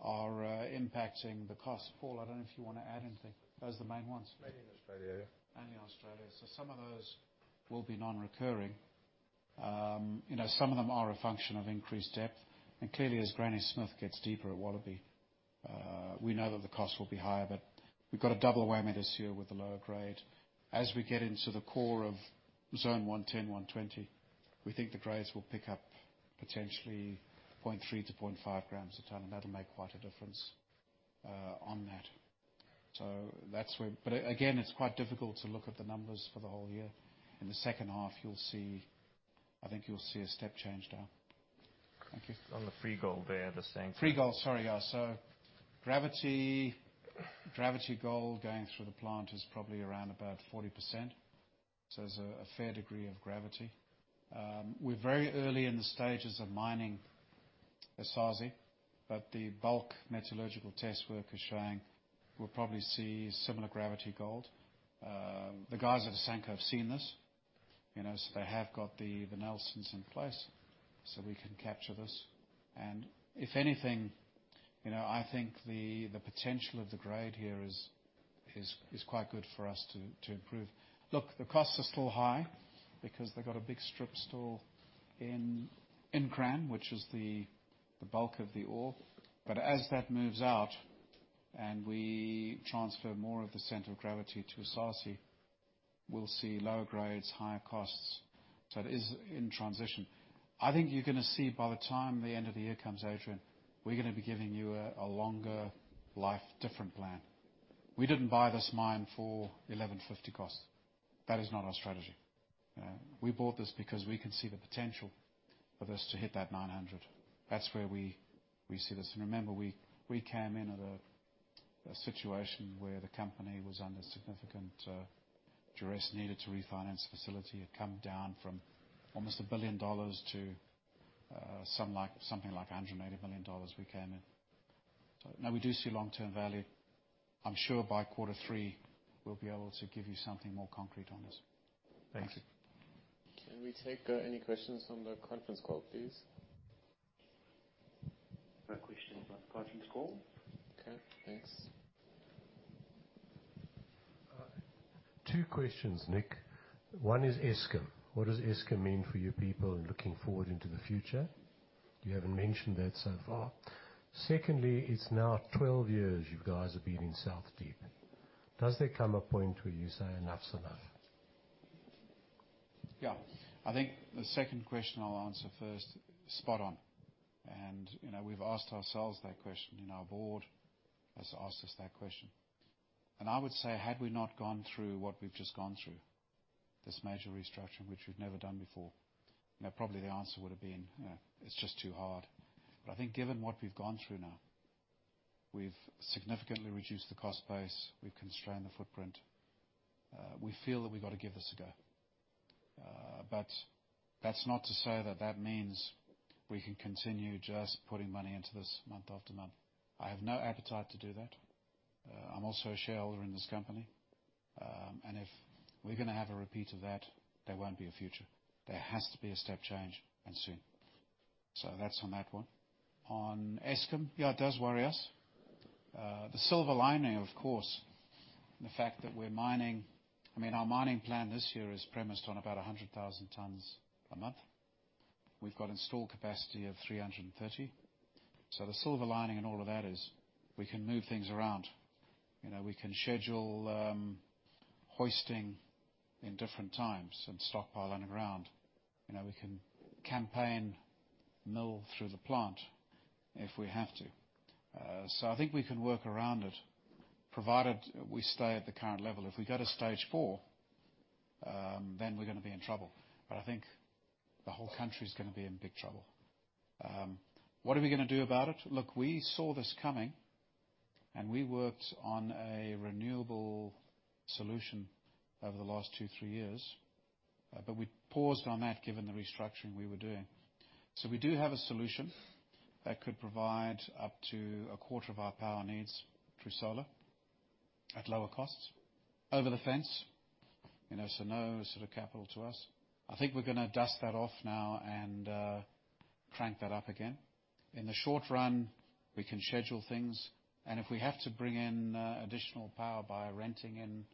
are impacting the cost. Paul, I don't know if you want to add anything. Those are the main ones. Mainly in Australia, yeah. Only Australia. Some of those will be non-recurring. Some of them are a function of increased depth. Clearly, as Granny Smith gets deeper at Wallaby, we know that the cost will be higher, but we've got a double whammy this year with the lower grade. As we get into the core of Zone 110, 120, we think the grades will pick up potentially 0.3 g-0.5 g a ton, and that'll make quite a difference on that. Again, it's quite difficult to look at the numbers for the whole year. In the second half, I think you'll see a step change down. Thank you. On the free gold there at Asanko. Free gold. Sorry. Yeah. Gravity gold going through the plant is probably around about 40%, so there's a fair degree of gravity. We're very early in the stages of mining Esaase, but the bulk metallurgical test work is showing we'll probably see similar gravity gold. The guys at Asanko have seen this, so they have got the Knelsons in place so we can capture this. If anything, I think the potential of the grade here is quite good for us to improve. Look, the costs are still high because they've got a big strip still in Nkran, which is the bulk of the ore. As that moves out and we transfer more of the center of gravity to Esaase, we'll see lower grades, higher costs. It is in transition. I think you're going to see by the time the end of the year comes, Adrian, we're going to be giving you a longer life, different plan. We didn't buy this mine for $1,150 cost. That is not our strategy. We bought this because we can see the potential for this to hit that $900. That's where we see this. Remember, we came in at a situation where the company was under significant duress, needed to refinance the facility. It had come down from almost $1 billion to something like $180 million we came in. No, we do see long-term value. I'm sure by quarter three we'll be able to give you something more concrete on this. Thanks. Thank you. Can we take any questions from the conference call, please? No questions on the conference call. Okay, thanks. Two questions, Nick. One is Eskom. What does Eskom mean for you people looking forward into the future? You haven't mentioned that so far. Secondly, it's now 12 years you guys have been in South Deep. Does there come a point where you say enough's enough? Yeah. I think the second question I'll answer first. Spot on. We've asked ourselves that question and our board has asked us that question. I would say, had we not gone through what we've just gone through, this major restructuring, which we've never done before, probably the answer would have been, "It's just too hard." I think given what we've gone through now, we've significantly reduced the cost base, we've constrained the footprint, we feel that we've got to give this a go. That's not to say that that means we can continue just putting money into this month after month. I have no appetite to do that. I'm also a shareholder in this company. If we're going to have a repeat of that, there won't be a future. There has to be a step change, and soon. That's on that one. On Eskom, yeah, it does worry us. The silver lining, of course, the fact that we're mining, our mining plan this year is premised on about 100,000 tons a month. We've got installed capacity of 330,000 tons. The silver lining in all of that is we can move things around. We can schedule hoisting in different times and stockpile underground. We can campaign mill through the plant if we have to. I think we can work around it, provided we stay at the current level. If we go to stage four, then we're going to be in trouble. I think the whole country's going to be in big trouble. What are we going to do about it? Look, we saw this coming, and we worked on a renewable solution over the last two, three years. We paused on that given the restructuring we were doing. We do have a solution that could provide up to a quarter of our power needs through solar at lower costs over the fence. No sort of capital to us. I think we're going to dust that off now and crank that up again. In the short run, we can schedule things, and if we have to bring in additional power by renting in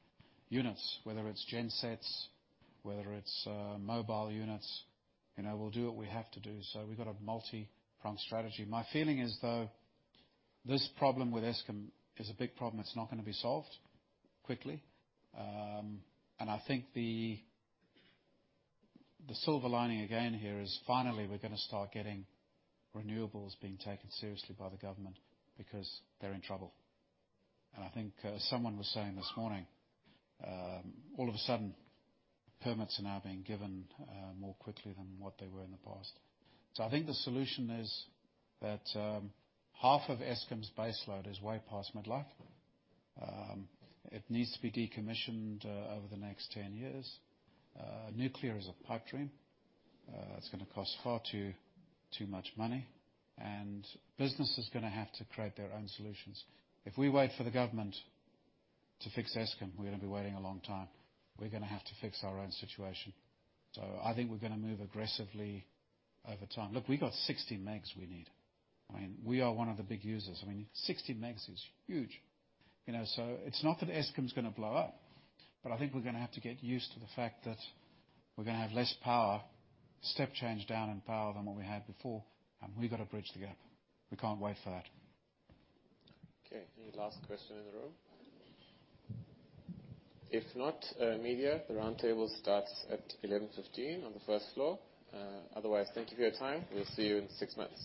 units, whether it's gensets, whether it's mobile units, we'll do what we have to do. We've got a multi-pronged strategy. My feeling is, though, this problem with Eskom is a big problem. It's not going to be solved quickly. I think the silver lining again here is finally we're going to start getting renewables being taken seriously by the government because they're in trouble. I think someone was saying this morning, all of a sudden, permits are now being given more quickly than what they were in the past. I think the solution is that half of Eskom's base load is way past midlife. It needs to be decommissioned over the next 10 years. Nuclear is a pipe dream. It's going to cost far too much money, and business is going to have to create their own solutions. If we wait for the government to fix Eskom, we're going to be waiting a long time. We're going to have to fix our own situation. I think we're going to move aggressively over time. Look, we got 60 MW we need. We are one of the big users. 60 MW is huge. It's not that Eskom's going to blow up, but I think we're going to have to get used to the fact that we're going to have less power, step change down in power than what we had before, and we've got to bridge the gap. We can't wait for that. Okay. Any last question in the room? If not, media, the roundtable starts at 11:15 A.M. on the first floor. Otherwise, thank you for your time. We'll see you in six months.